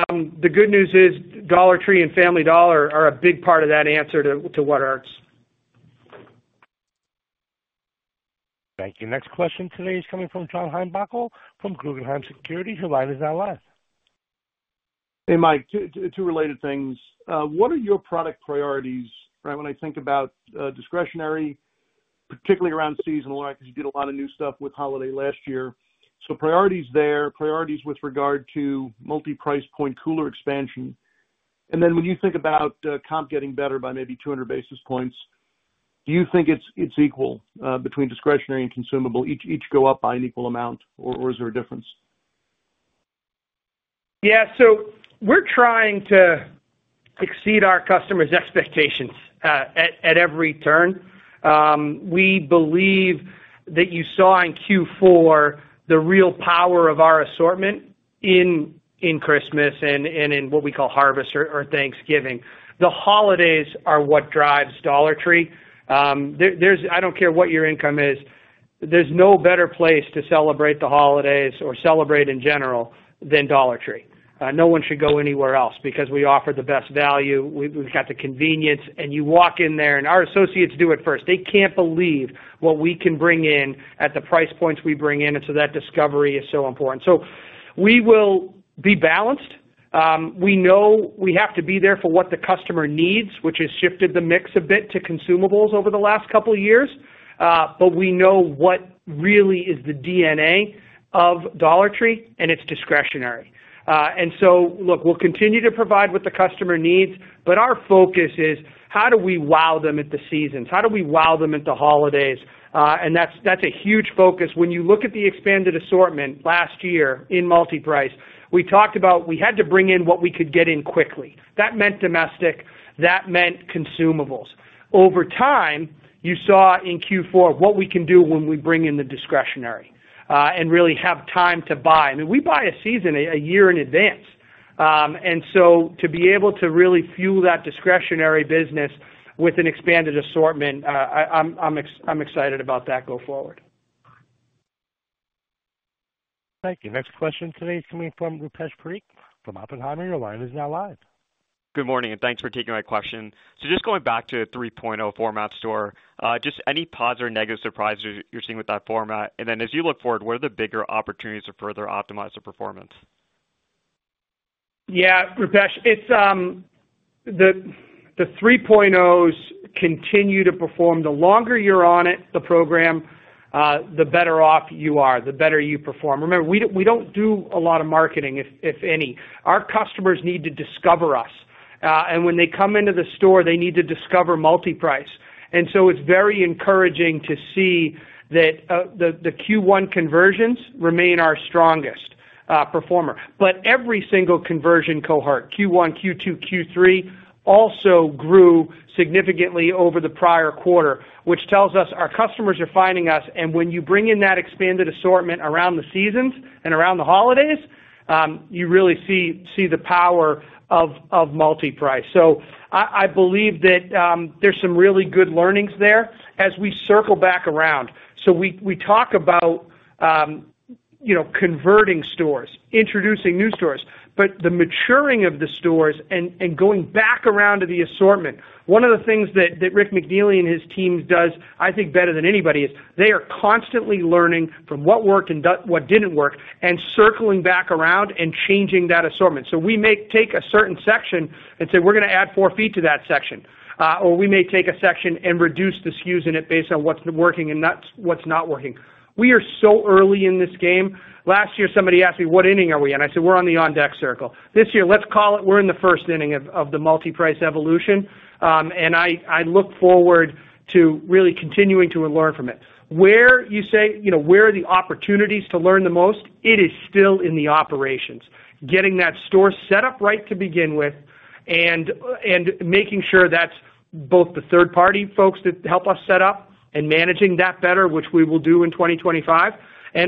The good news is Dollar Tree and Family Dollar are a big part of that answer to what. Hurts. Thank you. Next question today is coming from John Heinbockel from Guggenheim Securities. Your line is now. Live. Hey Mike, two related things. What are your product. Priorities? Right. When I think about discretionary, particularly around seasonal because you did a lot of new stuff with holiday last year. Priorities there, priorities with regard to Multi-Price point cooler expansion, and then when you think about comp getting better by maybe 200 basis points, do you think it's equal between discretionary and consumable? Each go up by an equal amount or is there a difference? Yeah. We're trying to exceed our customers' expectations at every turn. We believe that you saw in Q4 the real power of our assortment in Christmas and in what we call harvest or Thanksgiving. The holidays are what drives Dollar Tree. I don't care what your income is. There's no better place to celebrate the holidays or celebrate in general than Dollar Tree. No one should go anywhere else because we offer the best value, we've got the convenience. You walk in there and our associates do it first. They can't believe what we can bring in at the price points we bring in. That discovery is so important, so we will be balanced. We know we have to be there for what the customer needs, which has shifted the mix a bit to consumables over the last couple of years. We know what really is the D&A of Dollar Tree and it's discretionary. Look, we'll continue to provide what the customer needs. Our focus is how do we wow them at the seasons, how do we wow them into holidays? That is a huge focus when you look at the expanded assortment. Last year in Multi-Price we talked about we had to bring in what we could get in quickly. That meant domestic, that meant consumables over time. You saw in Q4 what we can do when we bring in the discretionary and really have time to buy. We buy a season a year in advance. To be able to really fuel that discretionary business with an expanded assortment, I'm excited about that. Go. Forward. Thank you. Next question today is coming from Rupesh Parikh from Oppenheimer. Your line is now. Good morning and thanks for taking my question. Just going back to 3.0 format store, just any positive or negative surprises you're seeing with that format. As you look forward, what are the bigger opportunities to further optimize the performance. Yeah, Rupesh, it's the 3.0s. Continue to perform. The longer you're on it, the program, the better off you are, the better you perform. Remember, we don't do a lot of marketing, if any. Our customers need to discover us, and when they come into the store, they need to discover Multi-Price. It is very encouraging to see that the Q1 conversions remain our strongest performer. Every single conversion cohort, Q1, Q2, Q3, also grew significantly over the prior quarter, which tells us our customers are finding us. When you bring in that expanded assortment around the seasons and around the holidays, you really see the power of Multi-Price. I believe that there's some really good learnings there as we circle back around. We talk about converting stores, introducing new stores, but the maturing of the stores and going back around to the assortment. One of the things that Rick McNeely and his team does, I think better than anybody, is they are constantly learning from what worked and what did not work and circling back around and changing that assortment. We may take a certain section and say we're going to add four feet to that section, or we may take a section and reduce the SKUs in it based on what's working and what's not working. We are so early in this game. Last year, somebody asked me, what inning are we in? I said, we're on the on deck circle. This year, let's call it. We're in the first inning of the Multi-Price evolution, and I look forward to really continuing to learn from it. Where you say, where are the opportunities to learn the most? It is still in the operations. Getting that store set up right to begin with and making sure that's both the third party folks that help us set up and managing that better, which we will do in 2025.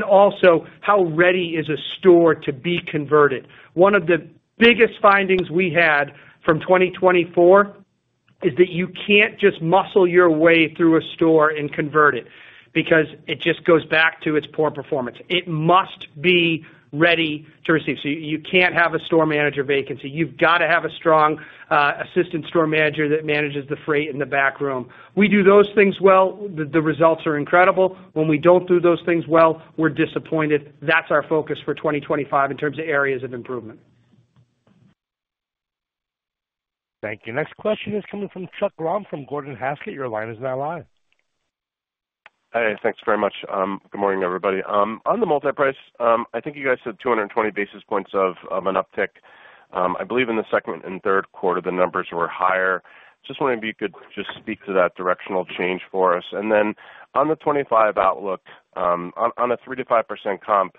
Also, how ready is a store to be converted? One of the biggest findings we had from 2024 is that you can't just muscle your way through a store and convert it because it just goes. Back to its poor performance. It must be ready to. You can't have a store manager vacancy. You've got to have a strong assistant store manager that manages the freight in the back room. We do those things well. The results are incredible. When we don't do those things well, we're disappointed. That's our focus for 2025 in terms of areas of. Improvement. Thank. You. Next question is coming from Chuck Grom, from Gordon Haskett. Your line is now live. Thanks very much. Good morning, everybody. On the Multi-Price, I think you guys said 220 basis points of an uptick. I believe in the second and third quarter, the numbers were higher. Just wondering if you could just speak to that directional change for us. And then on the 2025 outlook, on a 3%-5% comp,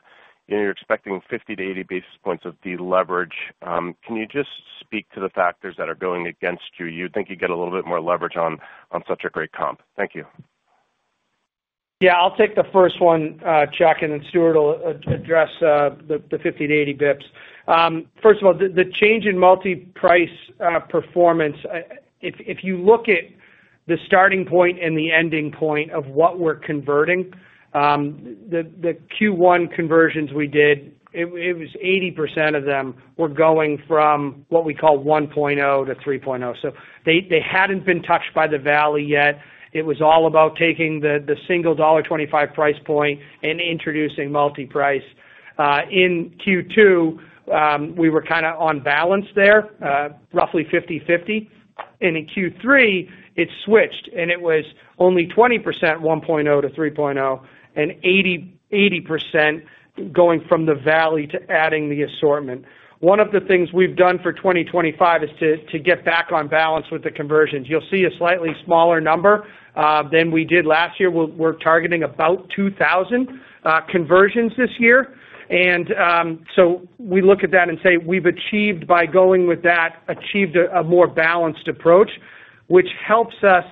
you're expecting 50 basis points-80 basis points of deleverage. Can you just speak to the factors that are going against you? You think you get a little bit more leverage on such a great comp. Thank. Yeah, I'll take the first one, Chuck, and then Stewart will address the 50 basis points-80 basis points. First of all, the change in Multi-Price performance. If you look at the starting point and the ending point of what we're converting, the Q1 conversions we did, it was 80% of them were going from what we call 1.0 to 3.0. They hadn't been touched by the value yet. It was all about taking the single $1.25 price point and introducing Multi-Price. In Q2, we were kind of on balance there, roughly 50/50. In Q3, it switched, and it was only 20%, 1.0 to 3.0, and 80% going from the value to adding the assortment. One of the things we've done for 2025 is to get back on balance with the conversions. You'll see a slightly smaller number than we did last year. We're targeting about 2,000 conversions this year. We look at that and say we've achieved by going with that, achieved a more balanced approach, which helps us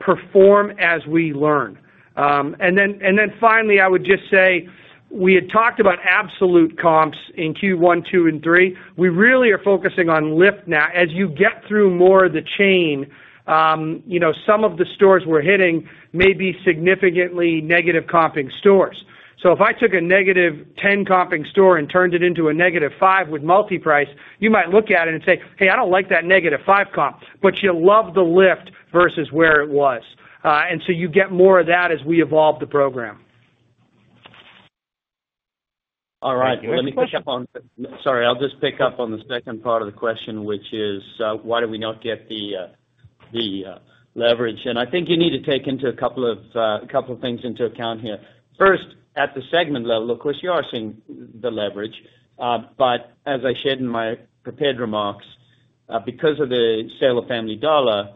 perform as we learn. Finally, I would just say we had talked about absolute comps in Q1, Q2 and Q3. We really are focusing on lift now. As you get through more of the chain, some of the stores we're hitting may be significantly negative comping stores. If I took a negative 10 comping store and turned it into a negative five with Multi-Price, you might look at it and say, hey, I don't like that negative five comp. You love the lift versus where it was. You get more of that as we evolve the. Program. All right, let me pick up. On. Sorry. I'll just pick up on the second part of the question, which is, why do we not get the leverage? I think you need to take into a couple of things into account here. First, at the segment level, of course, you are seeing the leverage. As I shared in my prepared remarks, because of the sale of Family Dollar,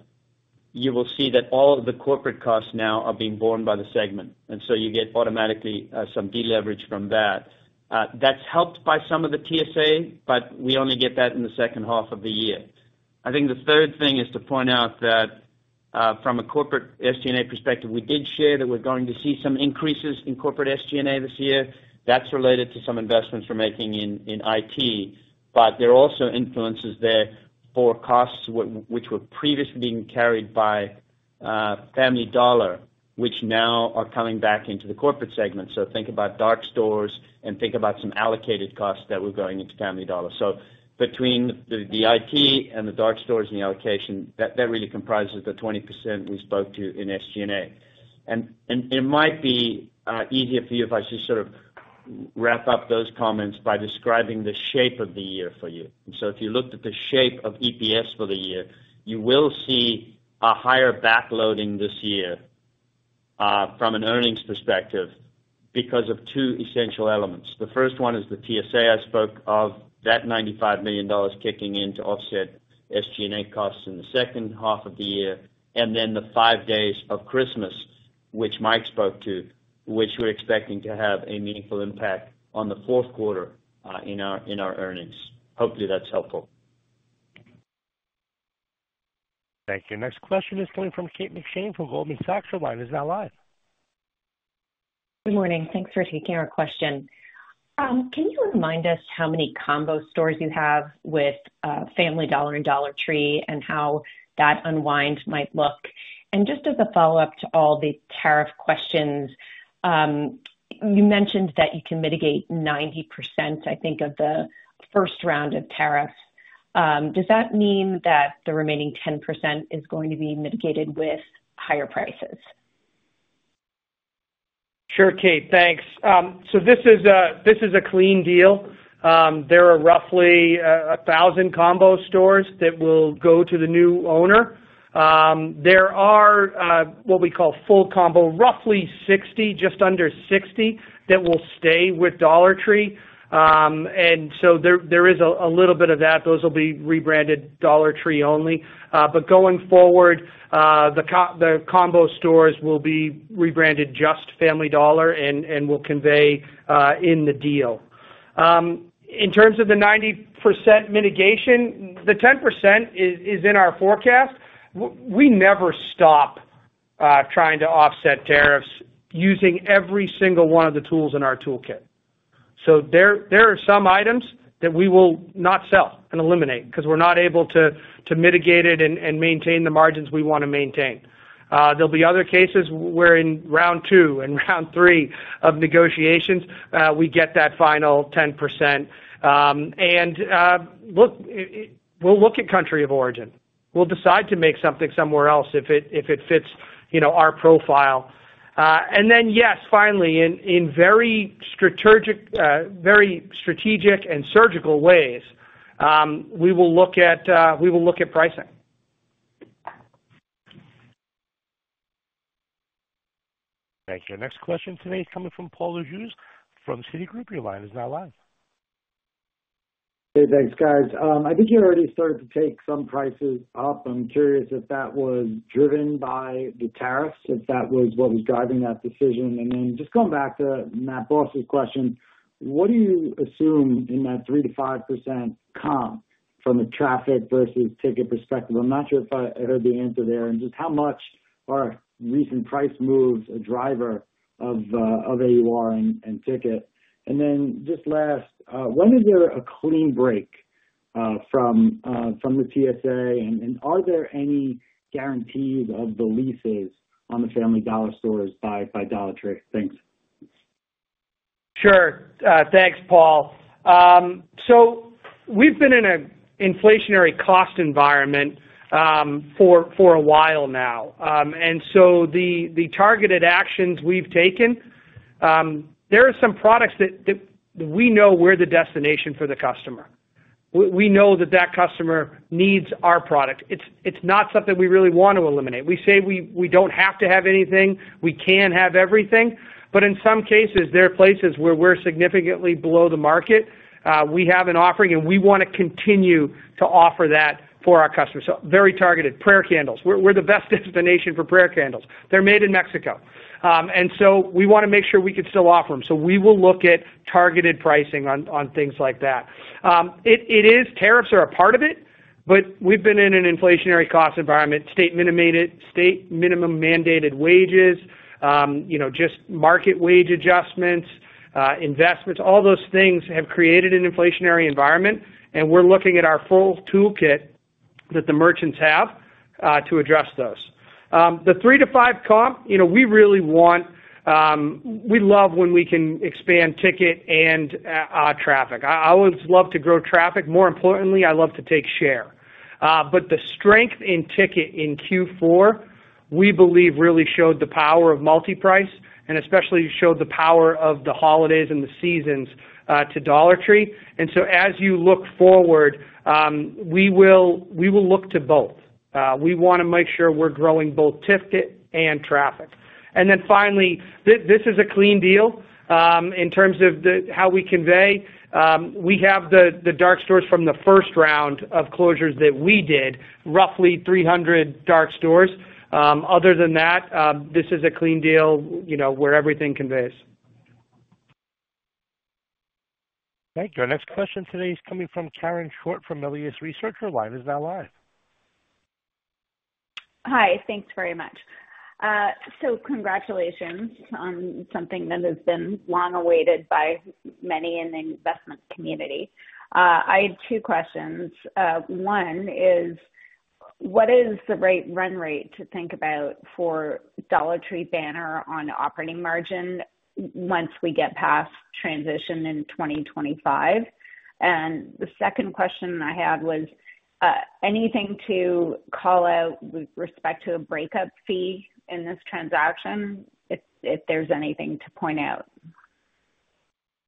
you will see that all of the corporate costs now are being borne by the segment and so you get automatically some deleverage from that. That is helped by some of the TSA. We only get that in the second half of the year. I think the third thing is to point out that from a corporate SG&A perspective, we did share that we're going to see some increases in corporate SG&A this year. That is related to some investments we're making in IT. There are also influences there for costs which were previously being carried by Family Dollar which now are coming back into the corporate segment. Think about dark stores and think about some allocated costs that were going into Family Dollar. Between the IT and the dark stores and the allocation, that really comprises the 20% we spoke to in SG&A. It might be easier for you if I just sort of wrap up those comments by describing the shape of the year for you. If you looked at the shape of EPS for the year, you will see a higher backloading this year from an earnings perspective because of two essential elements. The first one is the TSA. I spoke of that $95 million kicking in to offset SG&A costs in the second half of the year and then the five days of Christmas which Mike spoke to which we're expecting to have a meaningful impact on the fourth quarter in our earnings. Hopefully that's helpful. Thank you. You. Next question is coming from Kate McShane from Goldman Sachs. Line is now. Good morning. Thanks for taking our question. Can you remind us how many combo stores you have with Family Dollar and Dollar Tree and how that unwind might look? Just as a follow up to all the tariff you mentioned that you can mitigate 90%, I think of the first round of tariffs, does that mean that the remaining 10% is going to be mitigated with higher. Prices? Sure. Kate, thanks. This is a clean deal. There are roughly 1,000 combo stores that will go to the new owner. There are what we call full combo, roughly 60, just under 60. That will stay with Dollar Tree. There is a little bit of that. Those will be rebranded Dollar Tree only. Going forward the combo stores will be rebranded just Family Dollar and will convey in the deal. In terms of the 90% mitigation, the 10% is in our forecast. We never stop trying to offset tariffs using every single one of the tools in our toolkit. There are some items that we will not sell and eliminate because we're not able to mitigate it and maintain the margins we want to maintain. There will be other cases where in round two and round three of negotiations we get that final 10%. Look, we'll look at country of origin. We'll decide to make something somewhere else if it fits, you know, our profile. Then yes, finally in very strategic and surgical ways, we will look at. Pricing. Thank. Next question today is coming from Paul Lejuez from Citigroup. Your line is now. Live. Hey, thanks guys. I think you already started to take some prices up. I'm curious if that was driven by the tariffs, if that was what was driving that decision. I am just going back to Matt Boss's question, what do you assume in that 3%-5% comp from a traffic versus ticket perspective? I'm not sure if I heard the answer there and just how much are recent price moves a driver of and ticket. Just last, when is there a clean break from the TSA and are there any guarantees of the leases on the Family Dollar stores by Dollar Tree. Thanks. Sure. Thanks, Paul. We've been in an inflationary cost environment for a while now. The targeted actions we've taken, there are some products that we know we're the destination for the customer. We know that that customer needs our product. It's not something we really want to eliminate. We say we don't have to have anything. We can have everything. In some cases there are places where we're significantly below the market. We have an offering and we want to continue to offer that for our customers. Very targeted prayer candles. We're the best destination for prayer candles. They're made in Mexico. We want to make sure we can still offer them. We will look at targeted pricing on things like that. Tariffs are a part of it. We've been in an inflationary cost environment. State minimum mandated wages, just market wage adjustments, investments, all those things have created an inflationary environment. We are looking at our full. Toolkit that the merchants have to address. Those the 3%-5% comp you know we really want we love when we can expand ticket and traffic. I always love to grow traffic. More importantly I love to take share. The strength in ticket in Q4 we believe really showed the power of multiple price and especially showed the power of the holidays and the seasons to Dollar Tree. As you look forward we will look to both we want to make sure we're growing both ticket and traffic. Finally this is a clean deal in terms of how we convey we have the dark stores from the first round of closures that we did, roughly 300 dark stores. Other than that, this is a clean deal where everything. Thank you. Our next question today is coming from Karen Short from Melius Research. Her line is now. Hi. Thanks very much. Congratulations on something that has been long awaited by many in the investment community. I had two questions. One is what is the right run rate to think about for Dollar Tree banner on operating margin once we get past transition in 2025? The second question I had was anything to call out with respect to a breakup fee in this transaction. If there's anything to point out.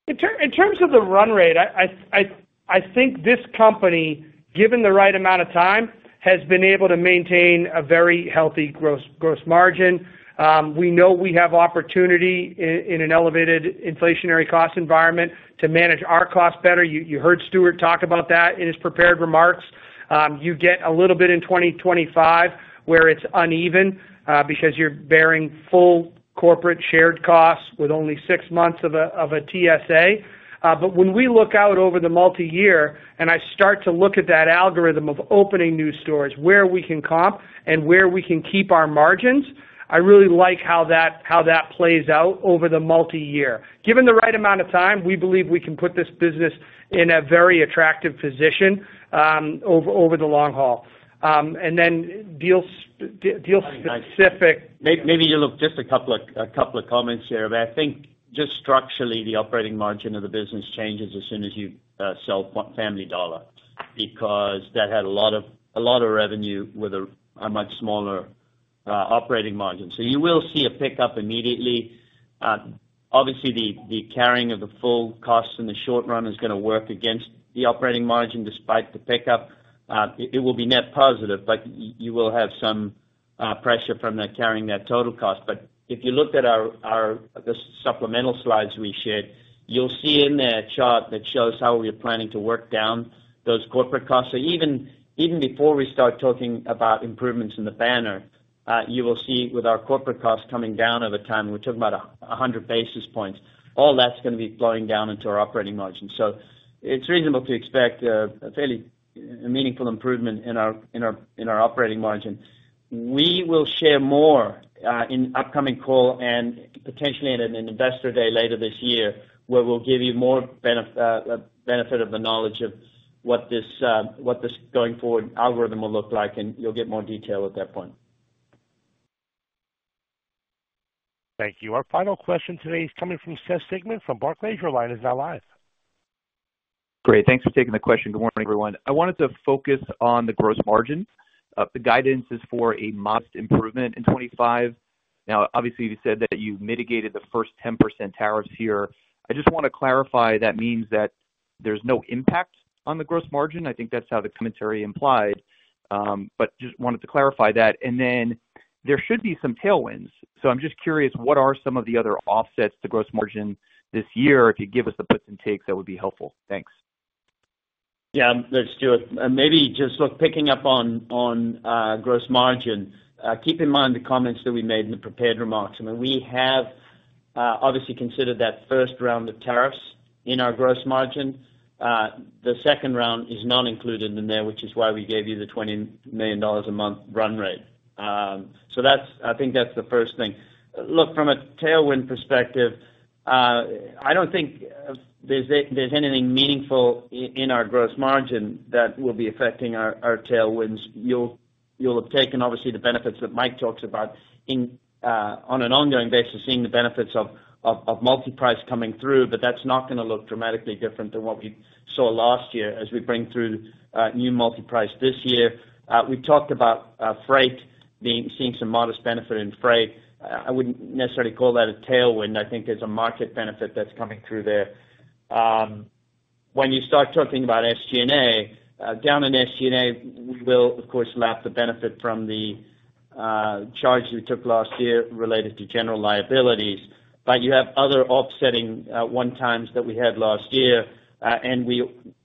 In terms of the run rate. I think this company, given the right amount of time, has been able to maintain a very healthy gross margin. We know we have opportunity in an elevated inflationary cost environment to manage our cost better. You heard Stewart talk about that in his prepared remarks. You get a little bit in 2025 where it's uneven because you're bearing full corporate shared costs with only six months of a TSA. When we look out over the multi year and I start to look at that algorithm of opening new stores where we can comp and where we can keep our margins, I really like how that plays out over the multi year. Given the right amount of time, we believe we can put this business in a very attractive position over the long haul and then deal. Specific. Maybe you look just a couple of comments here, but I think just structurally the operating margin of the business changes as soon as you sell Family Dollar because that had a lot of revenue with a much smaller operating margin. You will see a pickup immediately. Obviously, the carrying of the full costs in the short run is going to work against the operating margin despite the pickup. It will be net positive, but you will have some pressure from that carrying that total cost. If you looked at the supplemental slides we shared, you'll see in there a chart that shows how we are planning to work down those corporate costs even before we start talking about improvements in the banner. You will see with our corporate costs coming down over time, we're talking about 100 basis points. All that's going to be flowing down into our operating margin. It is reasonable to expect a fairly meaningful improvement in our operating margin. We will share more in upcoming call and potentially at an investor day later this year where we will give you more benefit of the knowledge of what this going forward algorithm will look like and you will get more detail at that. Thank you. Our final question today is coming from Seth Sigman from Barclays. Your line is now. Live. Great. Thanks for taking the. Question. Good morning. Everyone. I wanted to focus on the gross. Margin. The guidance is for a modest improvement in 2025. Now obviously you said that you mitigated the first 10% tariffs here. I just want to clarify that. Means that there's no impact on the gross. Margin. I think that's how the commentary implied, but just wanted to clarify. That. There should be some tailwinds. I'm just curious, what are some of the other offsets to gross margin this. Year? If you give us the puts. That would be. Helpful. Thanks. Yeah, that's. Stewart, maybe just look, picking up on gross margin. Keep in mind the comments that we made in the prepared remarks. We have obviously considered that first round of tariffs in our gross margin. The second round is not included in there, which is why we gave you the $20 million a month run rate. That's. I think that's the first thing. Look, from a tailwind perspective, I don't think there's anything meaningful in our gross margin that will be affecting our tailwinds. You'll have taken obviously the benefits that Mike talks about on an ongoing basis seeing the benefits of, of Multi-Price coming through. That's not going to look dramatically different than what we saw last year as we bring through new Multi-Price this year. We talked about freight being seeing some modest benefit in freight. I wouldn't necessarily call that a tailwind. I think there's a market benefit that's coming through there. When you start talking about SG&A down in SG&A, we will of course lap the benefit from the charge you took last year related to general liabilities. But you have other offsetting one-times that we had last. We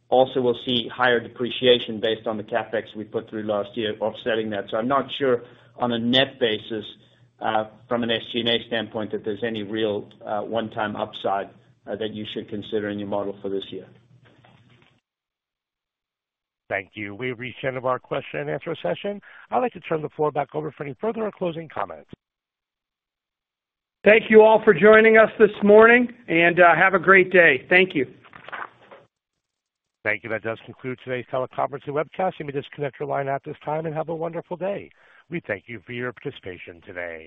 also will see higher depreciation based on the CapEx we put through last year offsetting that. I'm not sure on a net basis from an SG&A standpoint that there's any real one-time upside that you should consider in your model for this. Thank you. We've reached the end of our question and answer session. I'd like to turn the floor back over for any further or closing. Comments. Thank you all for joining us this morning and have a great day. Day. Thank. Thank you. That does conclude today's teleconference and webcast. You may disconnect your line at this time and have a wonderful day. We thank you for your participation today.